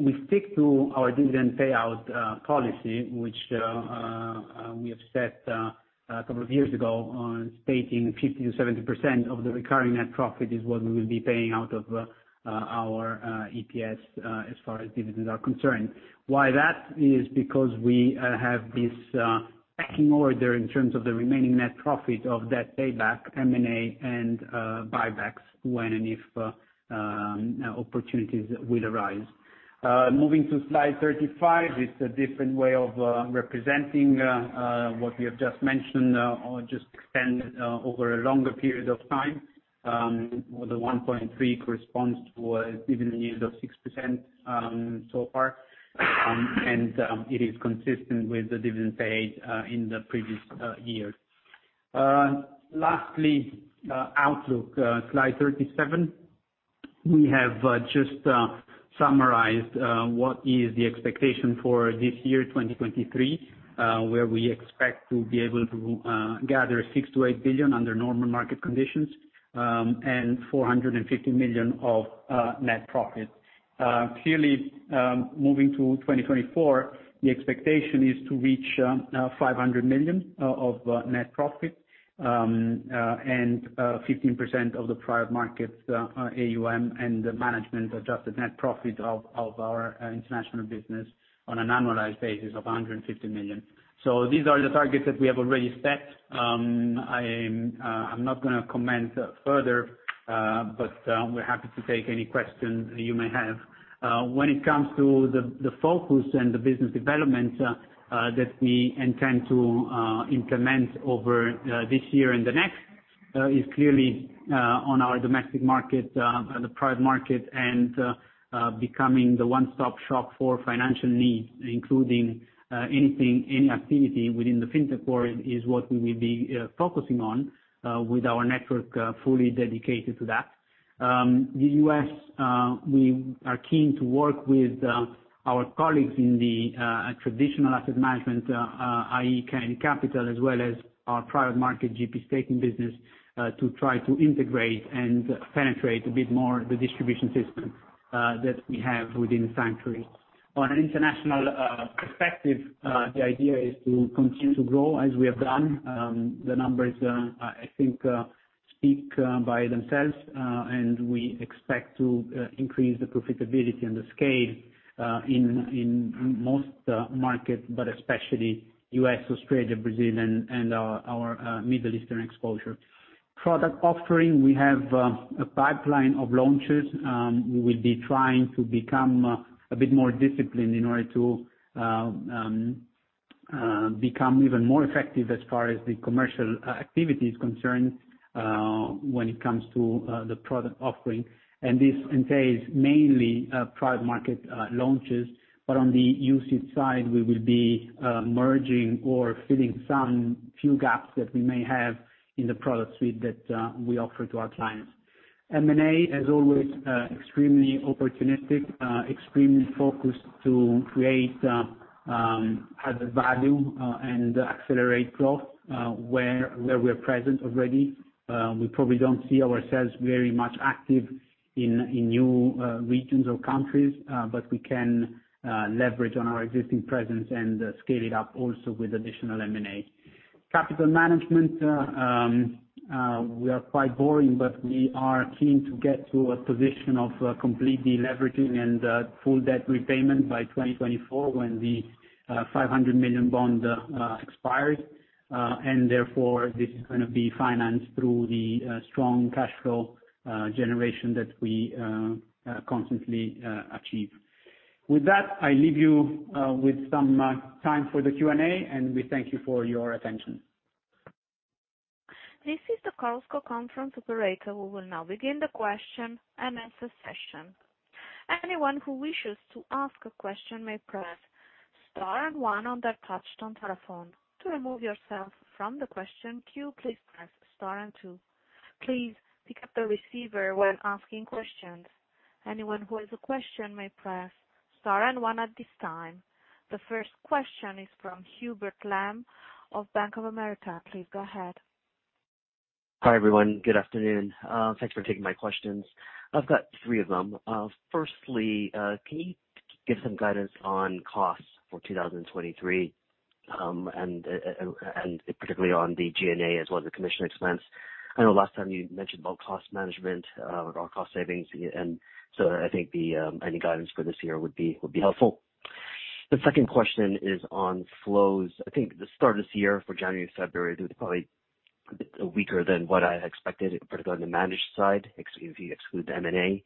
We stick to our dividend payout policy, which we have set a couple of years ago on stating 50%-70% of the recurring net profit is what we will be paying out of our EPS as far as dividends are concerned. Why that? Is because we have this pecking order in terms of the remaining net profit of debt payback, M&A and buybacks when and if opportunities will arise. Moving to slide 35. It's a different way of representing what we have just mentioned, or just extended over a longer period of time. The 1.3 corresponds to a dividend yield of 6% so far. It is consistent with the dividend paid in the previous years. Lastly, outlook, slide 37. We have just summarized what is the expectation for this year, 2023, where we expect to be able to gather 6 billion-8 billion under normal market conditions, and 450 million of net profit. Clearly, moving to 2024, the expectation is to reach 500 million of net profit and 15% of the private market AUM and the management adjusted net profit of our International business on an annualized basis of 150 million. These are the targets that we have already set. I am not gonna comment further, but we're happy to take any questions that you may have. When it comes to the focus and the business development that we intend to implement over this year and the next is clearly on our domestic market, the private market, and becoming the one-stop shop for financial needs, including anything, any activity within the fintech world is what we will be focusing on with our network fully dedicated to that. The U.S., we are keen to work with our colleagues in the traditional asset management, i.e., Kennedy Capital, as well as our private market GP staking business, to try to integrate and penetrate a bit more the distribution system that we have within Sanctuary Wealth. On an International perspective, the idea is to continue to grow as we have done. The numbers, I think, speak by themselves, and we expect to increase the profitability and the scale in most markets, but especially U.S., Australia, Brazil, and our Middle Eastern exposure. Product offering, we have a pipeline of launches. We'll be trying to become a bit more disciplined in order to become even more effective as far as the commercial activity is concerned when it comes to the product offering. This entails mainly private market launches. On the usage side, we will be merging or filling some few gaps that we may have in the product suite that we offer to our clients. M&A is always extremely opportunistic, extremely focused to create added value, and accelerate growth where we're present already. We probably don't see ourselves very much active in new regions or countries, but we can leverage on our existing presence and scale it up also with additional M&A. Capital management, we are quite boring, but we are keen to get to a position of completely leveraging and full debt repayment by 2024, when the 500 million bond expires. This is gonna be financed through the strong cash flow generation that we constantly achieve. With that, I leave you with some time for the Q&A, and we thank you for your attention. This is the Chorus Call conference operator who will now begin the question and answer session. Anyone who wishes to ask a question may press star and one on their touchtone telephone. To remove yourself from the question queue, please press star and two. Please pick up the receiver when asking questions. Anyone who has a question may press star and one at this time. The first question is from Hubert Lam of Bank of America. Please go ahead. Hi, everyone. Good afternoon. Thanks for taking my questions. I've got three of them. Firstly, can you give some guidance on costs for 2023, and particularly on the G&A as well as the commission expense? I know last time you mentioned about cost management or cost savings. I think any guidance for this year would be helpful. The second question is on flows. I think the start of this year for January, February, it was probably a bit weaker than what I had expected, particularly on the managed side, if you exclude the M&A.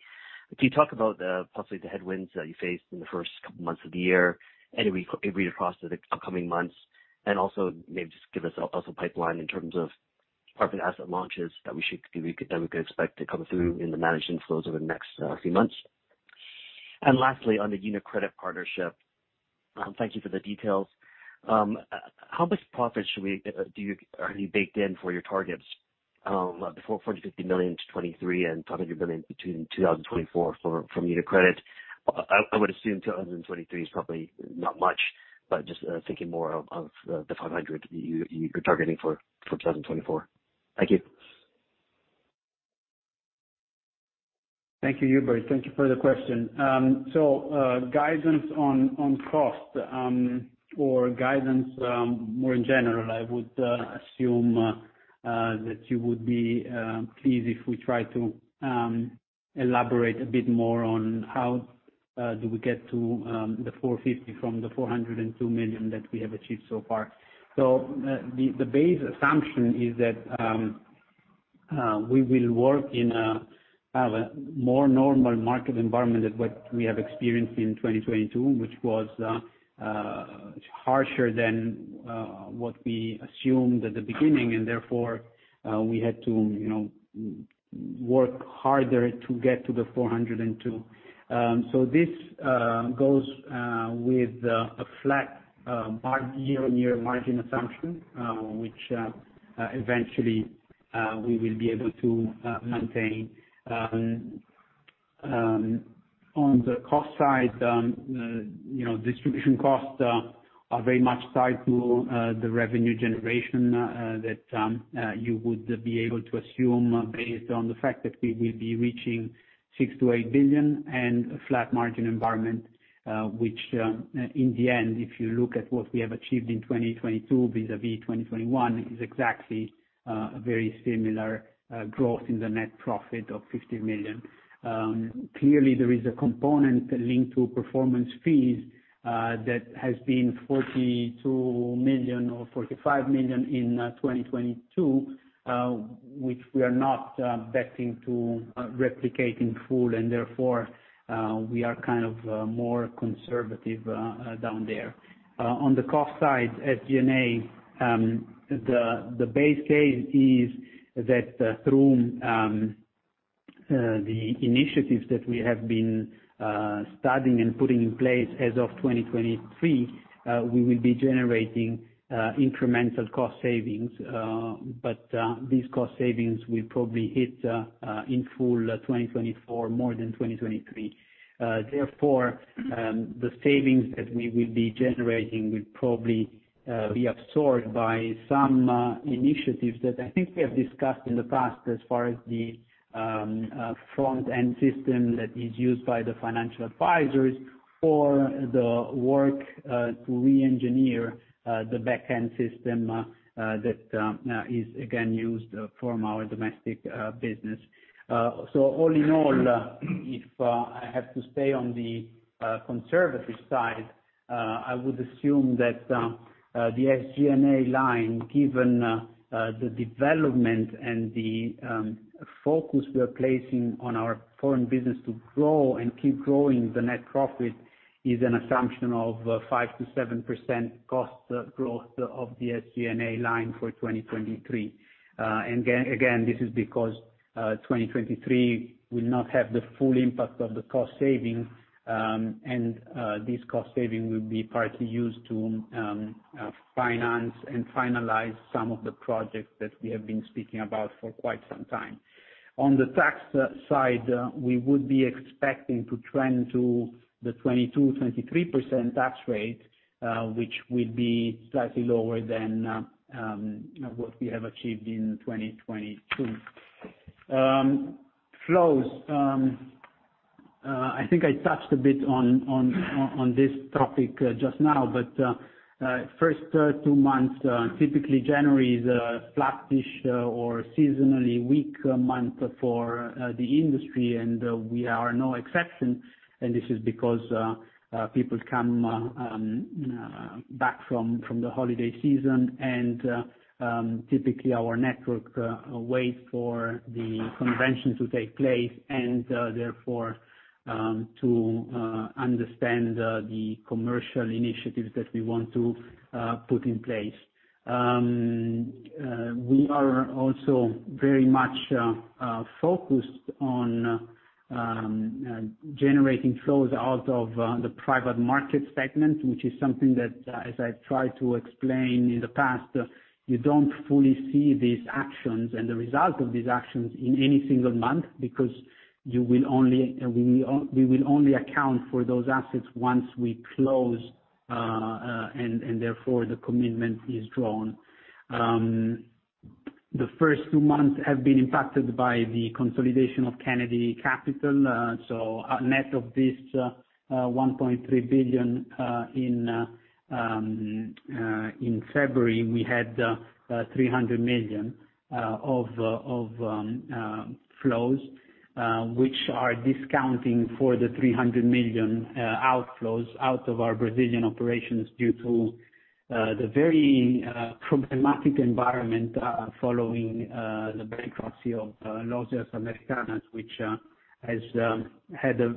Can you talk about possibly the headwinds that you faced in the first couple months of the year? Will we read across to the upcoming months? Also, maybe just give us a pipeline in terms of private asset launches that we could expect to come through in the managed inflows over the next few months. Lastly, on the UniCredit partnership, thank you for the details. How much profit have you baked in for your targets before 40 million-50 million to 2023 and 500 billion between 2024 for, from UniCredit? I would assume 2023 is probably not much, but just thinking more of the 500 billion you're targeting for 2024. Thank you. Thank you, Hubert. Thank you for the question. Guidance on cost, or guidance, more in general, I would assume that you would be pleased if we try to elaborate a bit more on how do we get to 450 million from the 402 million that we have achieved so far. The base assumption is that we will work in a more normal market environment than what we have experienced in 2022, which was harsher than what we assumed at the beginning. Therefore, we had to, you know, work harder to get to the 402 million. This goes with a flat year-on-year margin assumption, which eventually we will be able to maintain. On the cost side, you know, distribution costs are very much tied to the revenue generation that you would be able to assume based on the fact that we will be reaching 6 billion-8 billion and a flat margin environment, which in the end, if you look at what we have achieved in 2022 vis-à-vis 2021, is exactly very similar growth in the net profit of 50 million. Clearly, there is a component linked to performance fees that has been 42 million or 45 million in 2022, which we are not betting to replicate in full. Therefore, we are kind of more conservative down there. On the cost side, SG&A, the base case is that through the initiatives that we have been studying and putting in place as of 2023, we will be generating incremental cost savings. But these cost savings will probably hit in full 2024 more than 2023. Therefore, the savings that we will be generating will probably be absorbed by some initiatives that I think we have discussed in the past as far as the front-end system that is used by the financial advisors or the work to re-engineer the back-end system that is again used from our domestic business. All in all, if I have to stay on the conservative side, I would assume that the SG&A line, given the development and the focus we are placing on our foreign business to grow and keep growing the net profit, is an assumption of 5%-7% cost growth of the SG&A line for 2023. Again, this is because 2023 will not have the full impact of the cost savings, and this cost saving will be partly used to finance and finalize some of the projects that we have been speaking about for quite some time. On the tax side, we would be expecting to trend to the 22%-23% tax rate, which will be slightly lower than what we have achieved in 2022. Flows. I think I touched a bit on this topic just now. First two months, typically January is a flattish or seasonally weak month for the industry, and we are no exception. This is because people come back from the holiday season, and typically our network wait for the convention to take place and therefore to understand the commercial initiatives that we want to put in place. We are also very much focused on generating flows out of the Private Market segment, which is something that, as I've tried to explain in the past, you don't fully see these actions and the result of these actions in any single month because we will only account for those assets once we close, and therefore, the commitment is drawn. The first two months have been impacted by the consolidation of Kennedy Capital. Net of this, 1.3 billion in February, we had 300 million of flows, which are discounting for the 300 million outflows out of our Brazilian operations due to the very problematic environment following the bankruptcy of Lojas Americanas, which has had a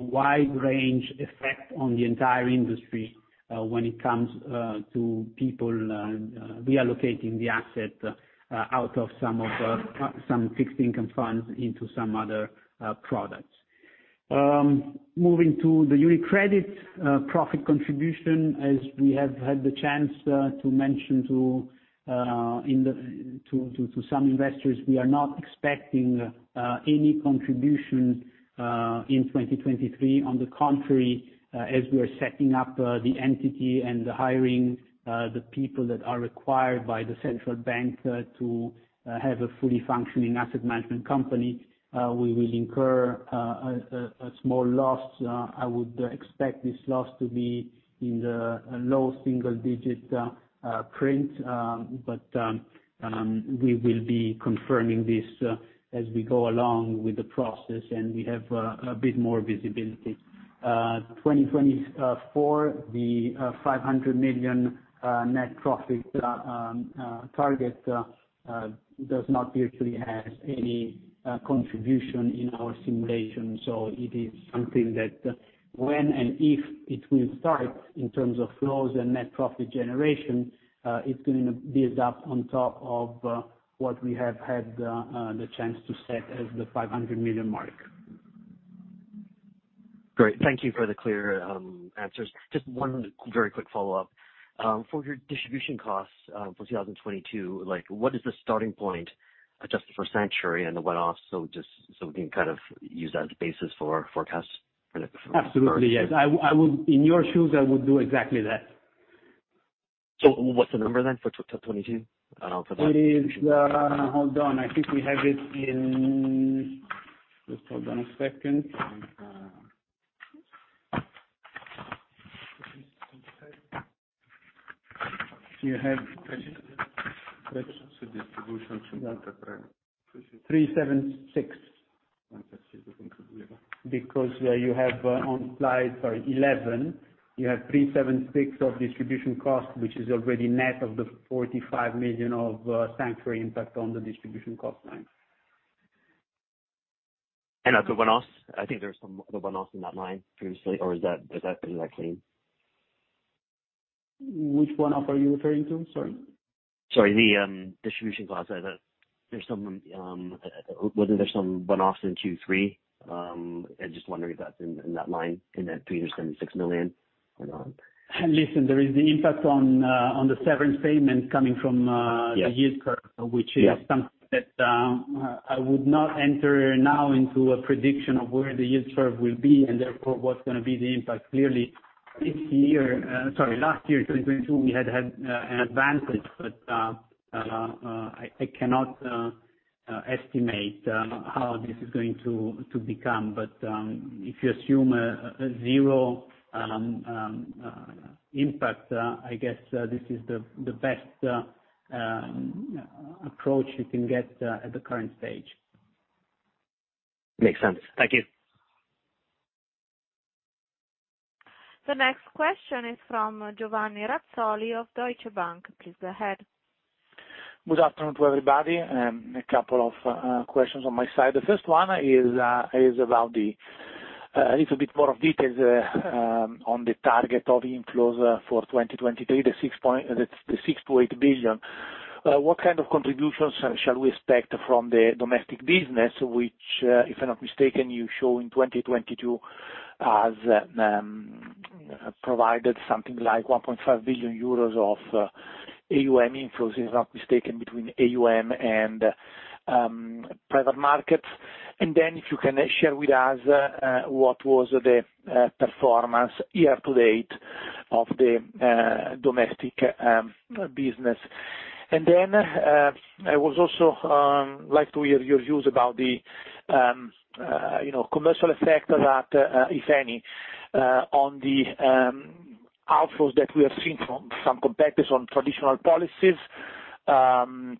wide-range effect on the entire industry when it comes to people reallocating the asset out of some of some fixed income funds into some other products. Moving to the UniCredit profit contribution. As we have had the chance to mention to some investors, we are not expecting any contribution in 2023. On the contrary, as we are setting up the entity and hiring the people that are required by the Central Bank, to have a fully functioning asset management company, we will incur a small loss. I would expect this loss to be in the low-single digit print. We will be confirming this as we go along with the process, and we have a bit more visibility. 2024, the 500 million net profit target does not virtually have any contribution in our simulation. It is something that when and if it will start in terms of flows and net profit generation, it's going to build up on top of what we have had the chance to set as the 500 million mark. Great. Thank you for the clear answers. Just one very quick follow-up. For your distribution costs, for 2022, like what is the starting point adjusted for Sanctuary Wealth and the one-offs, so we can kind of use that as basis for forecasts? Absolutely, yes. In your shoes, I would do exactly that. What's the number then for 2022? I know for that. It is. Hold on. I think we have it. Just hold on a second. Do you have... Distribution center. 376. You have on slide, sorry, 11, you have 376 of distribution costs, which is already net of the 45 million of Sanctuary Wealth impact on the distribution cost line. The one-offs, I think there's some other one-offs in that line previously, or was that exactly? Which one-off are you referring to? Sorry. Sorry, the distribution costs. Wasn't there some one-offs in Q3? I'm just wondering if that's in that line, in that 376 million, you know. Listen, there is the impact on the severance payments coming from. Yeah. The yield curve, which is something that, I would not enter now into a prediction of where the yield curve will be, and therefore, what's gonna be the impact. Clearly, last year, 2022, we had an advantage. I cannot estimate how this is going to become. If you assume a zero impact, I guess, this is the best approach you can get, at the current stage. Makes sense. Thank you. The next question is from Giovanni Razzoli of Deutsche Bank. Please go ahead. Good afternoon to everybody, and a couple of questions on my side. The first one is about a little bit more details on the target of inflows for 2023, the 6 billion-8 billion. What kind of contributions shall we expect from the domestic business, which, if I'm not mistaken, you show in 2022 as provided something like 1.5 billion euros of AUM inflows, if I'm not mistaken, between AUM and private markets. If you can share with us what was the performance year to date of the domestic business. I would also like to hear your views about the, you know, commercial effect that, if any, on the outflows that we have seen from some competitors on traditional policies,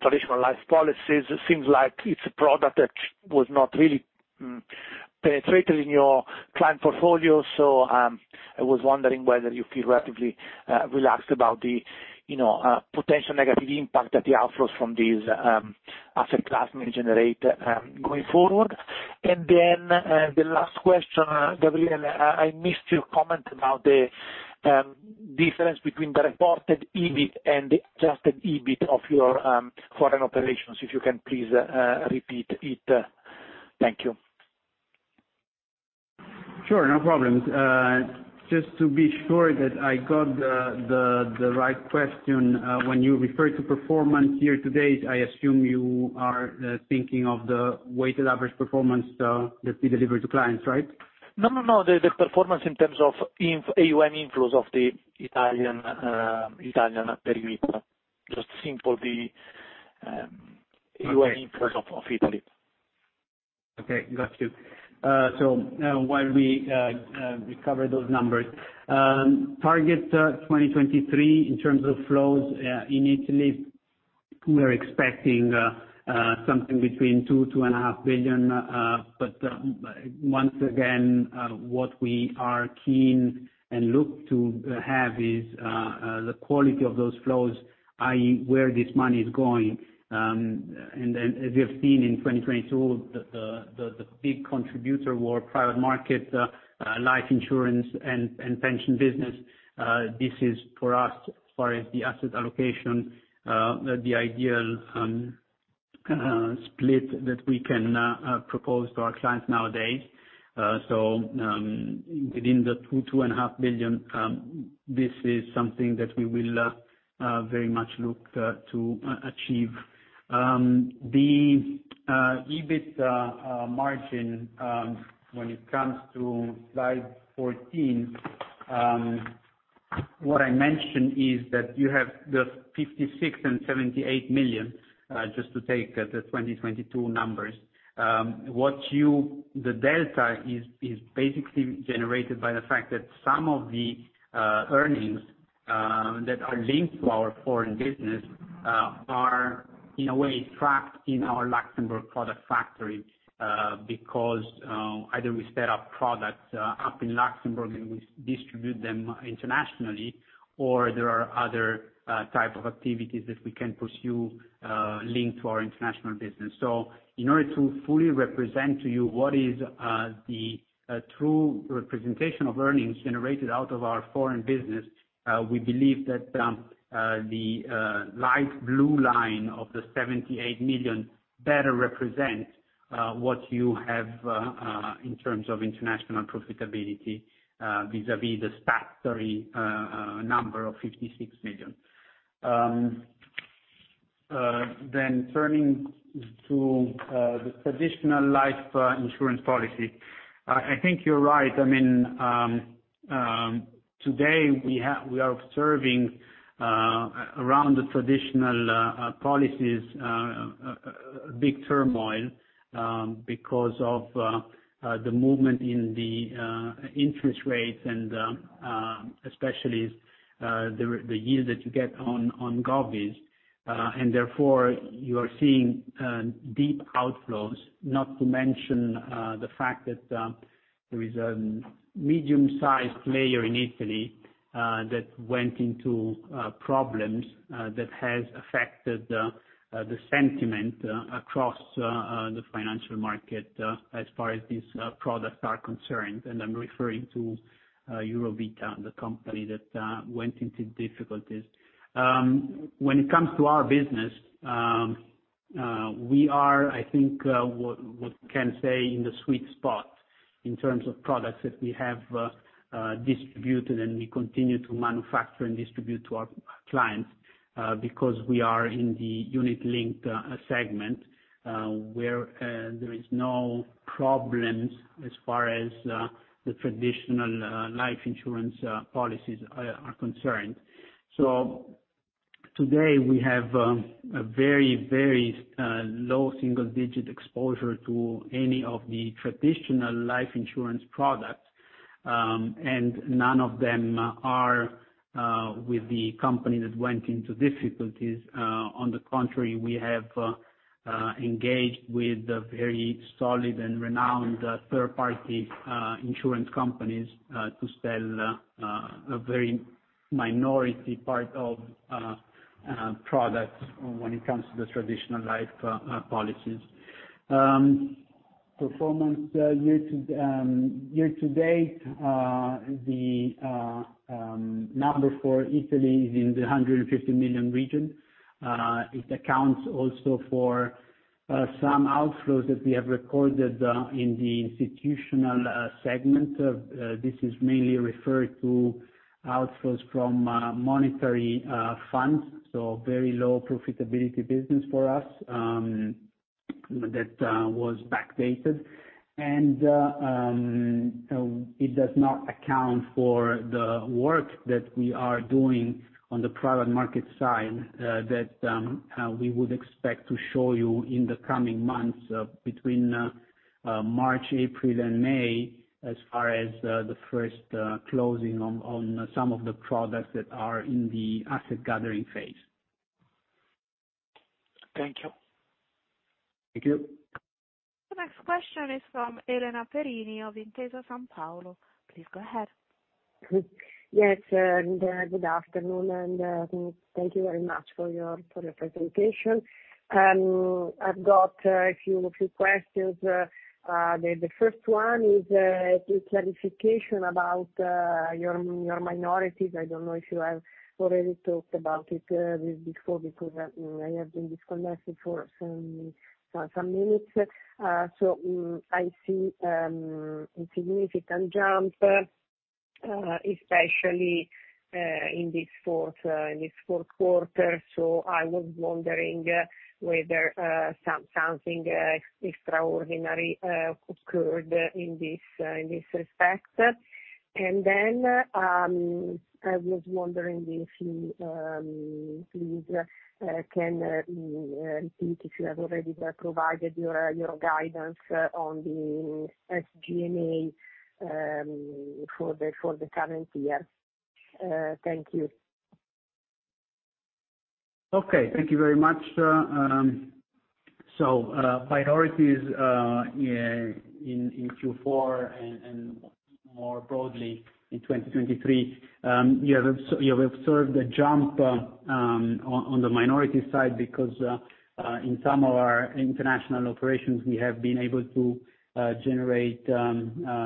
traditional life policies. It seems like it's a product that was not really penetrated in your client portfolio. I was wondering whether you feel relatively relaxed about the, you know, potential negative impact that the outflows from these asset class may generate going forward? The last question, Gabriele, I missed your comment about the difference between the reported EBIT and Adjusted EBIT of your foreign operations, if you can please repeat it? Thank you. Sure, no problem. Just to be sure that I got the right question, when you refer to performance year-to-date, I assume you are thinking of the weighted average performance that we deliver to clients, right? No, the performance in terms of AUM inflows of the Italian perimeter. Just simply, AUM inflows of Italy. Okay. Got you. While we recover those numbers. Target 2023 in terms of flows in Italy, we are expecting something between 2 billion-2.5 billion. Once again, what we are keen and look to have is the quality of those flows, i.e., where this money is going. As you have seen in 2022, the big contributor were Private Market, Life Insurance, and Pension business. This is for us, as far as the asset allocation, the ideal split that we can propose to our clients nowadays. Within the 2 billion-2.5 billion, this is something that we will very much look to achieve. The EBIT margin, when it comes to slide 14, what I mentioned is that you have the 56 million and 78 million, just to take the 2022 numbers. The delta is basically generated by the fact that some of the earnings that are linked to our foreign business are in a way trapped in our Luxembourg product factory. Either we set up products up in Luxembourg and we distribute them internationally or there are other type of activities that we can pursue linked to our International business. In order to fully represent to you what is the true representation of earnings generated out of our foreign business, we believe that the light blue line of 78 million better represent what you have in terms of International profitability, vis-a-vis the statutory number of EUR 56 million. Turning to the traditional life insurance policy. I think you're right. I mean, today we are observing around the traditional policies a big turmoil because of the movement in the interest rates and especially the yield that you get on govies. Therefore, you are seeing deep outflows, not to mention the fact that there is a medium-sized player in Italy that went into problems that has affected the sentiment across the financial market as far as these products are concerned, and I'm referring to Eurovita, the company that went into difficulties. When it comes to our business, we are, I think, what we can say in the sweet spot in terms of products that we have distributed, and we continue to manufacture and distribute to our clients because we are in the unit-linked segment where there is no problems as far as the traditional life insurance policies are concerned. Today we have a very, very low-single digit exposure to any of the traditional life insurance products, and none of them are with the company that went into difficulties. On the contrary, we have engaged with the very solid and renowned third-party insurance companies to sell a very minority part of products when it comes to the traditional life policies. Performance year-to-date, the number for Italy is in the 150 million region. It accounts also for some outflows that we have recorded in the institutional segment. This is mainly referred to outflows from monetary funds, so very low profitability business for us that was backdated. It does not account for the work that we are doing on the product market side, that we would expect to show you in the coming months, between March, April, and May as far as the first closing on some of the products that are in the asset gathering phase. Thank you. Thank you. The next question is from Elena Perini of Intesa Sanpaolo. Please go ahead. Yes, good afternoon, and thank you very much for your presentation. I've got a few questions. The first one is a clarification about your minorities. I don't know if you have already talked about it before because I have been disconnected for some minutes. I see a significant jump, especially in this fourth quarter. I was wondering whether something extraordinary occurred in this respect. Then, I was wondering if you please can repeat if you have already provided your guidance on the SG&A for the current year? Thank you. Okay. Thank you very much. Priorities in Q4 and more broadly in 2023, you have observed a jump on the minority side because in some of our international operations, we have been able to generate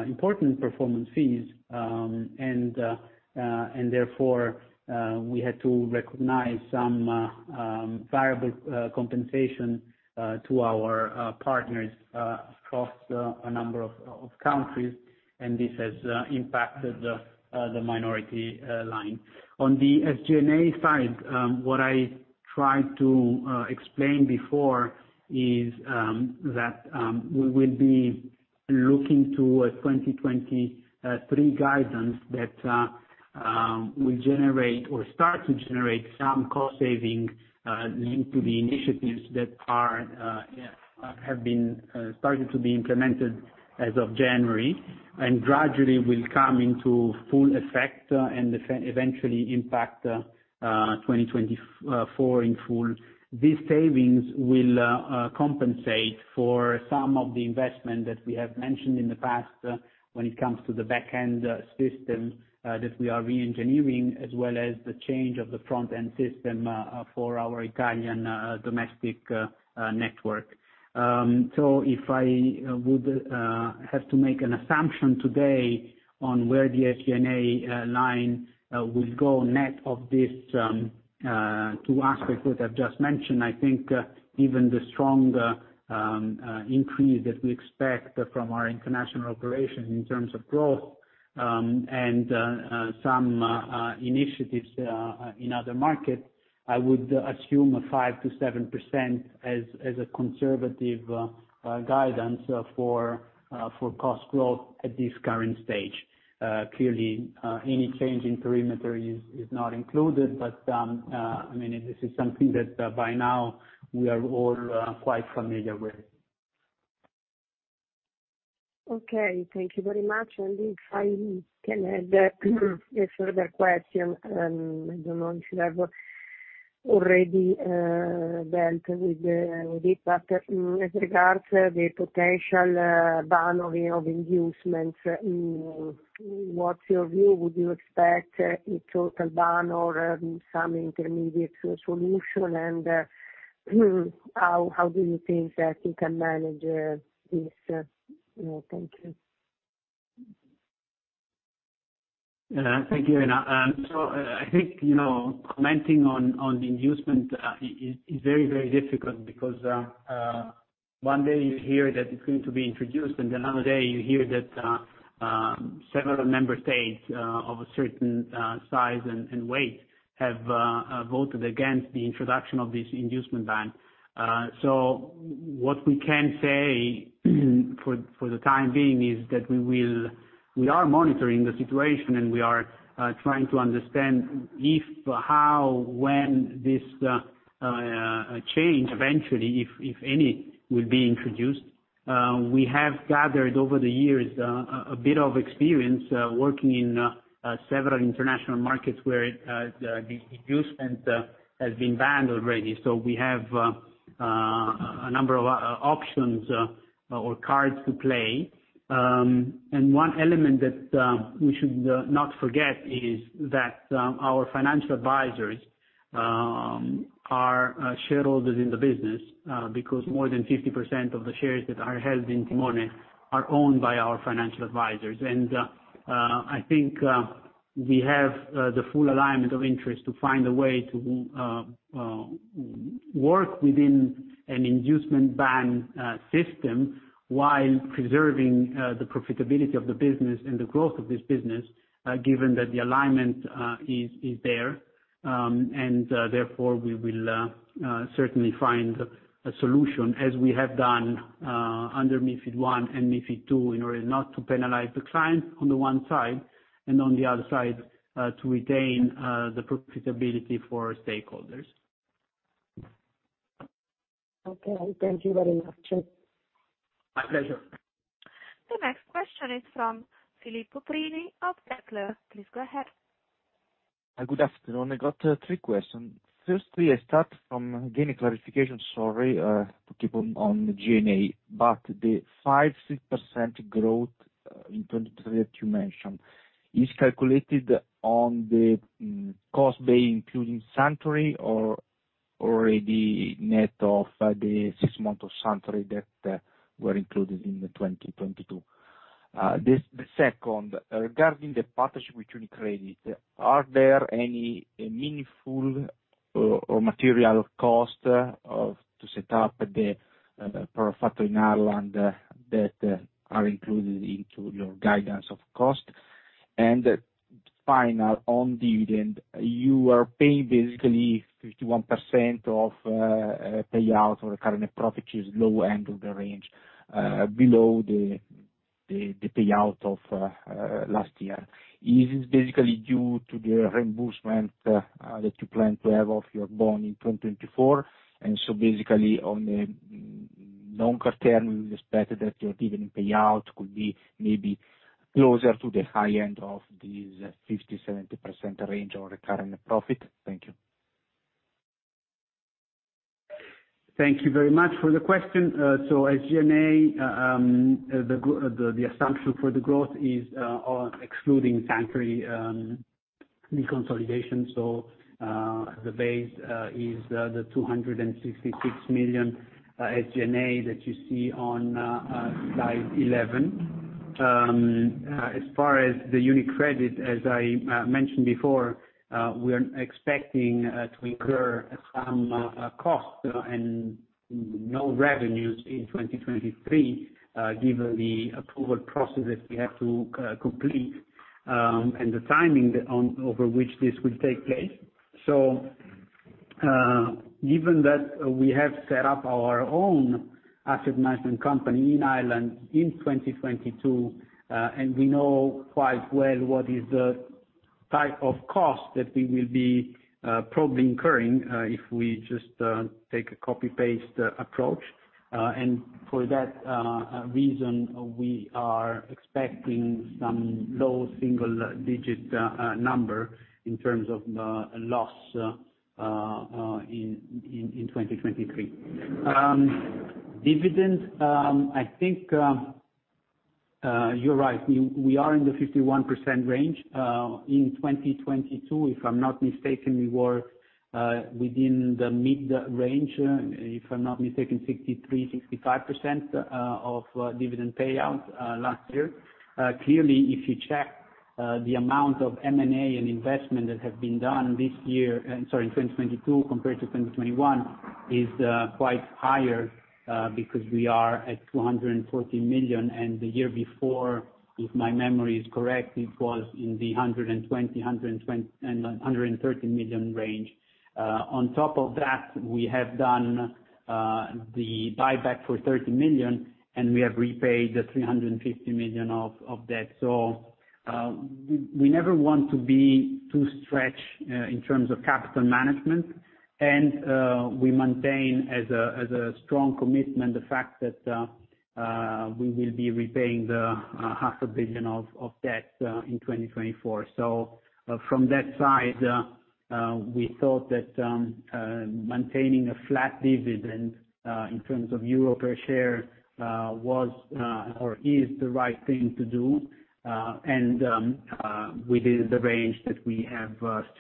important performance fees. And therefore, we had to recognize some variable compensation to our partners across a number of countries, and this has impacted the minority line. On the SG&A side, what I tried to explain before is that we will be looking to a 2023 guidance that will generate or start to generate some cost saving linked to the initiatives that are have been started to be implemented as of January, and gradually will come into full effect and eventually impact 2024 in full. These savings will compensate for some of the investment that we have mentioned in the past, when it comes to the back-end system that we are re-engineering, as well as the change of the front-end system for our Italian domestic network. If I would have to make an assumption today on where the SG&A line will go net of this two aspects that I've just mentioned, I think even the strong increase that we expect from our international operations in terms of growth, and some initiatives in other markets, I would assume a 5%-7% as a conservative guidance for cost growth at this current stage. Clearly, any change in perimeter is not included, but I mean, this is something that by now we are all quite familiar with. Okay, thank you very much. If I can add a further question, I don't know if you have already dealt with it. With regards to the potential ban of inducements, what's your view? Would you expect a total ban or some intermediate solution? How do you think that you can manage this? Thank you. Thank you. And, uh, um, so, uh, I think, you know, commenting on inducement, uh, is very, very difficult because, uh, one day you hear that it's going to be introduced, and another day you hear that, uh, um, several member states, uh, of a certain, uh, size and weight have, uh, voted against the introduction of this inducement ban. Uh, so what we can say for the time being is that we will. We are monitoring the situation, and we are, uh, trying to understand if, how, when this, uh, change eventually, if any, will be introduced. Uh, we have gathered over the years, uh, a bit of experience, uh, working in, uh, several international markets where, uh, the inducement, uh, has been banned already. We have a number of options or cards to play. One element that we should not forget is that our financial advisors are shareholders in the business because more than 50% of the shares that are held in Timone are owned by our financial advisors. I think we have the full alignment of interest to find a way to work within an inducement ban system while preserving the profitability of the business and the growth of this business given that the alignment is there. Therefore, we will certainly find a solution as we have done under MiFID I and MiFID II in order not to penalize the client on the one side, and on the other side, to retain the profitability for stakeholders. Okay, thank you very much. My pleasure. The next question is from Filippo Prini of Kepler Cheuvreux. Please go ahead. Good afternoon. I got three questions. Firstly, I start from gaining clarification. Sorry to keep on SG&A, but the 5%-6% growth in 2023 that you mentioned is calculated on the cost base, including Sanctuary Wealth or already net of the six months of Sanctuary Wealth that were included in 2022? This the second, regarding the partnership with UniCredit, are there any meaningful or material cost to set up the product factory in Ireland that are included into your guidance of cost? Final on dividend, you are paying basically 51% of payout or recurrent profit is low end of the range, below the payout of last year. Is this basically due to the reimbursement that you plan to have of your bond in 2024? Basically on a longer term, we expect that your dividend payout could be maybe closer to the high end of this 50%-70% range of recurrent profit. Thank you. Thank you very much for the question. As SG&A, the assumption for the growth is on excluding Sanctuary Wealth reconsolidation. The base is 266 million as SG&A that you see on slide 11. As far as UniCredit, as I mentioned before, we're expecting to incur some cost and no revenues in 2023, given the approval processes we have to complete and the timing over which this will take place. Given that we have set up our own asset management company in Ireland in 2022, and we know quite well what is the type of cost that we will be probably incurring if we just take a copy-paste approach. For that reason, we are expecting some low single digit number in terms of loss in 2023. Dividend. I think you're right. We are in the 51% range. In 2022, if I'm not mistaken, we were within the mid-range, if I'm not mistaken, 63%-65% of dividend payout last year. Clearly, if you check the amount of M&A and investment that have been done this year, sorry, in 2022 compared to 2021, is quite higher, because we are at 240 million, and the year before, if my memory is correct, it was in the 120 million-130 million range. On top of that, we have done the buyback for 30 million, and we have repaid the 350 million of debt. We never want to be too stretched in terms of capital management. We maintain as a strong commitment the fact that we will be repaying the half a billion of debt in 2024. From that side, we thought that maintaining a flat dividend in terms of EUR per share was or is the right thing to do, and within the range that we have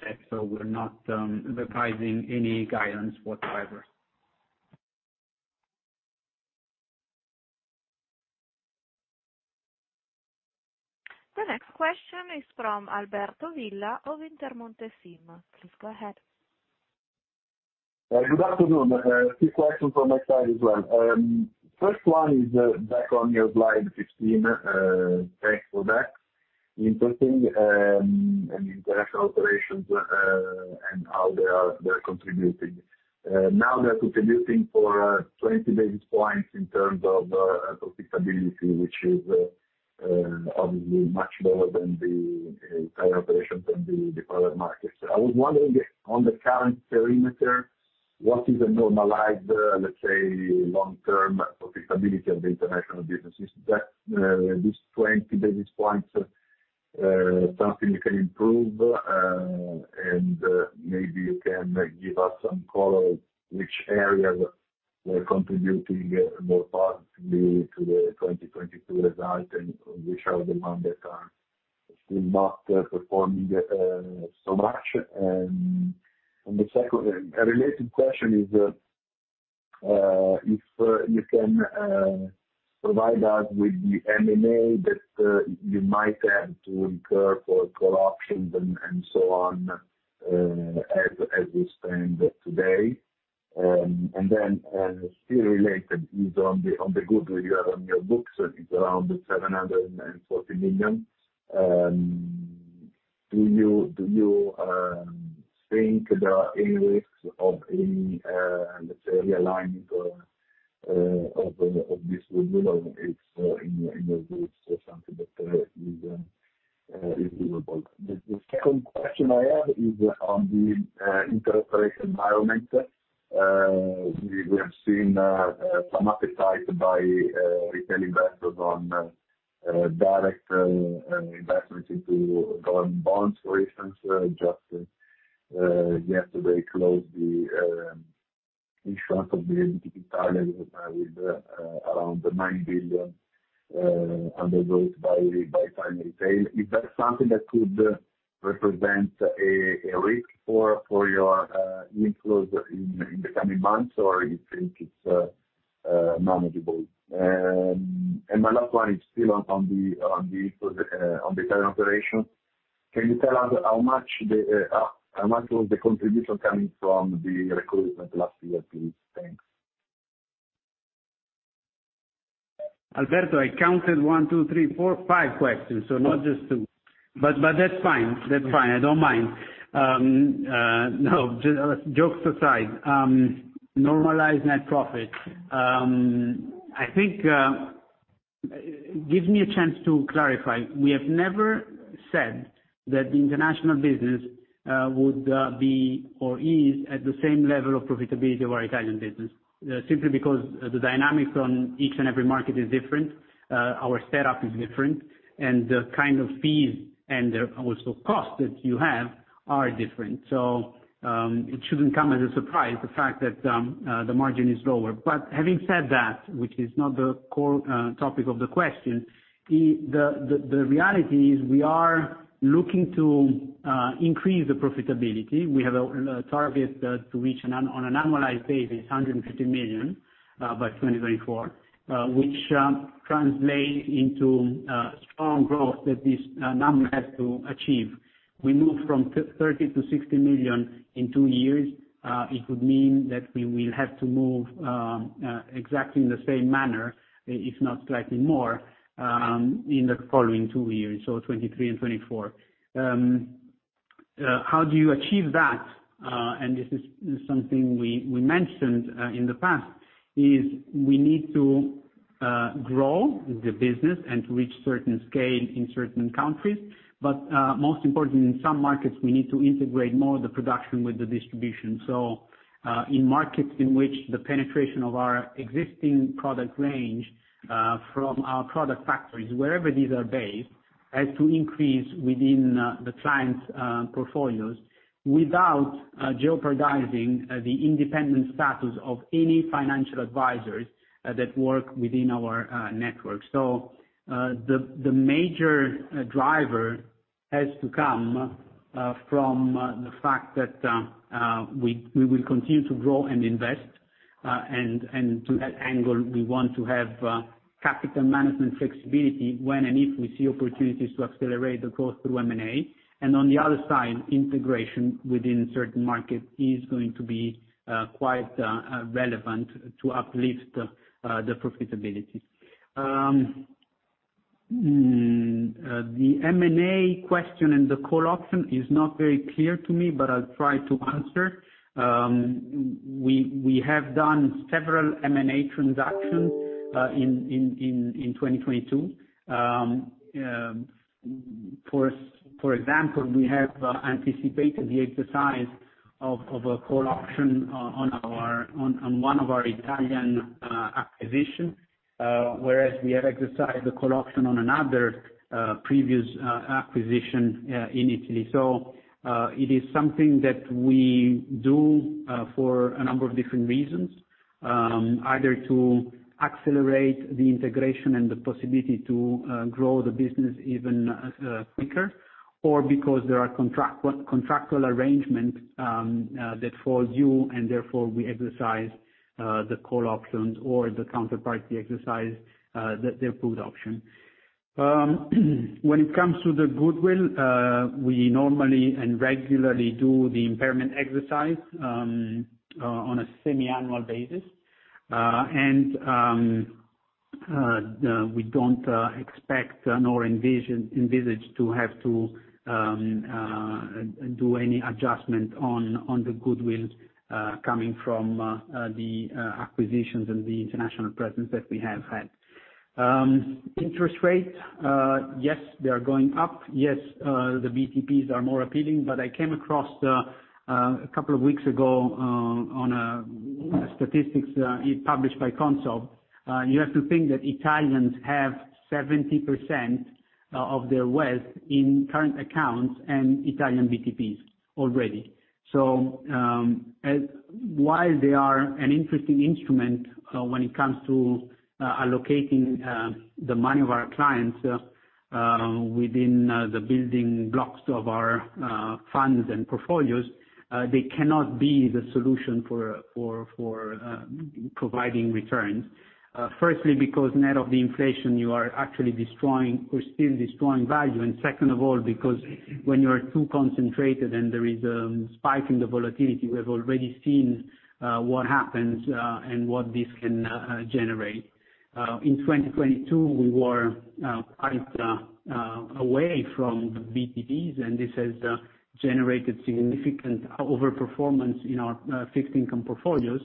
set, so we're not revising any guidance whatsoever. The next question is from Alberto Villa of Intermonte SIM. Please go ahead. Good afternoon. Two questions from my side as well. First one is back on your slide 15. Thanks for that. Interesting, and international operations, and how they're contributing. Now they're contributing for 20 basis points in terms of profitability, which is obviously much lower than the Italian operations and the product markets. I was wondering on the current perimeter, what is the normalized, let's say, long-term profitability of the International businesses? That, these 20 basis points, something you can improve? And maybe you can, like, give us some color which areas were contributing more positively to the 2022 result, and which are the ones that are still not performing so much. The second, a related question is, if you can provide us with the M&A that you might have to incur for call options and so on, as we stand today. Still related is on the goodwill you have on your books, it's around 740 million. Do you think there are any risks of any, let's say, realignment or of this goodwill? It's in your books something that is doable. The second question I have is on the International environment. We have seen some appetite by retail investors on direct investments into government bonds, for instance. Just yesterday closed the issuance of the BTP Italia with around EUR 9 billion underwent by final retail. Is that something that could represent a risk for your inflows in the coming months, or you think it's manageable? My last one is still on the Italian operation. Can you tell us how much was the contribution coming from the recruitment last year, please? Thanks. Alberto, I counted one, two, three, four, five questions, so not just two. That's fine. That's fine. I don't mind. No, just jokes aside, normalized net profit. I think, give me a chance to clarify. We have never said that the International business would be or is at the same level of profitability of our Italian business simply because the dynamics on each and every market is different, our setup is different, and the kind of fees and also costs that you have are different. It shouldn't come as a surprise the fact that the margin is lower. Having said that, which is not the core topic of the question, the reality is we are looking to increase the profitability. We have a target to reach on an annualized basis, 150 million by 2024, which translate into strong growth that this number has to achieve. We moved from 30 million-60 million in two years. It would mean that we will have to move exactly in the same manner, if not slightly more, in the following two years, so 2023 and 2024. How do you achieve that? This is something we mentioned in the past, is we need to grow the business and reach certain scale in certain countries. Most important, in some markets, we need to integrate more the production with the distribution. In markets in which the penetration of our existing product range from our product factories, wherever these are based, has to increase within the clients' portfolios without jeopardizing the independent status of any financial advisors that work within our network. The major driver has to come from the fact that we will continue to grow and invest, and to that angle, we want to have capital management flexibility when and if we see opportunities to accelerate the growth through M&A. On the other side, integration within certain markets is going to be quite relevant to uplift the profitability. The M&A question and the call option is not very clear to me, but I'll try to answer. We have done several M&A transactions in 2022. For example, we have anticipated the exercise of a call option on one of our Italian acquisitions. Whereas we have exercised the call option on another previous acquisition in Italy. It is something that we do for a number of different reasons. Either to accelerate the integration and the possibility to grow the business even quicker, or because there are contractual arrangement that falls due and therefore we exercise the call options or the counterparty exercise their put option. When it comes to the goodwill, we normally and regularly do the impairment exercise on a semi-annual basis. We don't expect nor envisage to have to do any adjustment on the goodwill coming from the acquisitions and the international presence that we have had. Interest rate, yes, they are going up. Yes, the BTPs are more appealing, but I came across a couple of weeks ago on statistics published by CONSOB. You have to think that Italians have 70% of their wealth in current accounts and Italian BTPs already. While they are an interesting instrument, when it comes to allocating the money of our clients within the building blocks of our funds and portfolios, they cannot be the solution for providing returns. Firstly, because net of the inflation, you are actually destroying or still destroying value. second of all, because when you are too concentrated and there is spike in the volatility, we have already seen what happens and what this can generate. In 2022, we were quite away from the BTPs, and this has generated significant overperformance in our fixed income portfolios.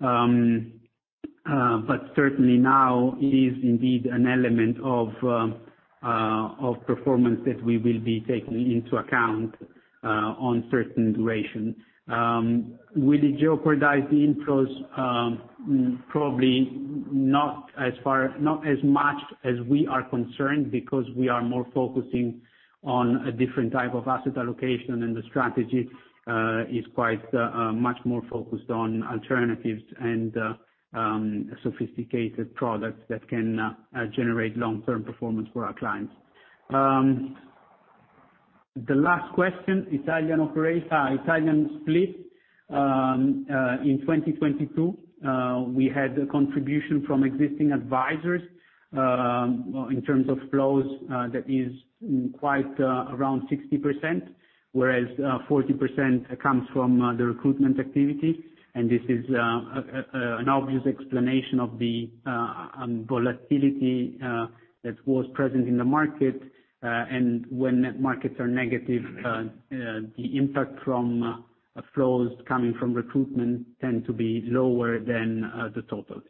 Certainly now it is indeed an element of performance that we will be taking into account on certain duration. Will it jeopardize the inflows? Probably not as much as we are concerned, because we are more focusing on a different type of asset allocation, and the strategy is quite much more focused on alternatives and sophisticated products that can generate long-term performance for our clients. The last question, Italian split. In 2022, we had a contribution from existing advisors in terms of flows that is quite around 60%, whereas 40% comes from the recruitment activity. This is an obvious explanation of the volatility that was present in the market. When net markets are negative, the impact from flows coming from recruitment tend to be lower than the total.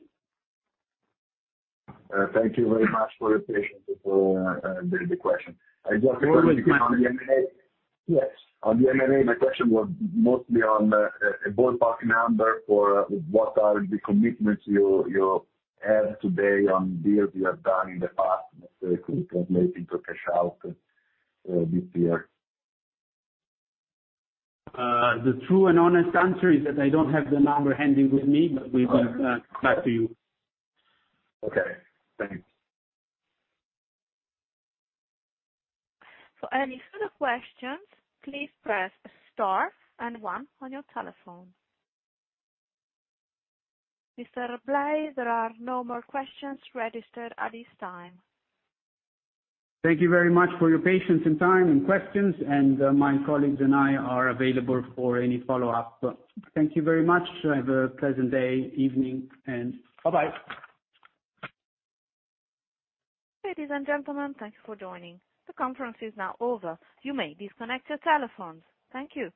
Thank you very much for your patience with all the questions. I just on the M&A. Yes. On the M&A, my question was mostly on a ballparking number for what are the commitments you have today on deals you have done in the past that could translate into cash out this year? The true and honest answer is that I don't have the number handy with me. Okay. We will get back to you. Okay. Thank you. For any further questions, please press star and one on your telephone. Mr. Blei, there are no more questions registered at this time. Thank you very much for your patience and time and questions. My colleagues and I are available for any follow-up. Thank you very much. Have a pleasant day, evening, and bye-bye. Ladies and gentlemen, thank you for joining. The conference is now over. You may disconnect your telephones. Thank you.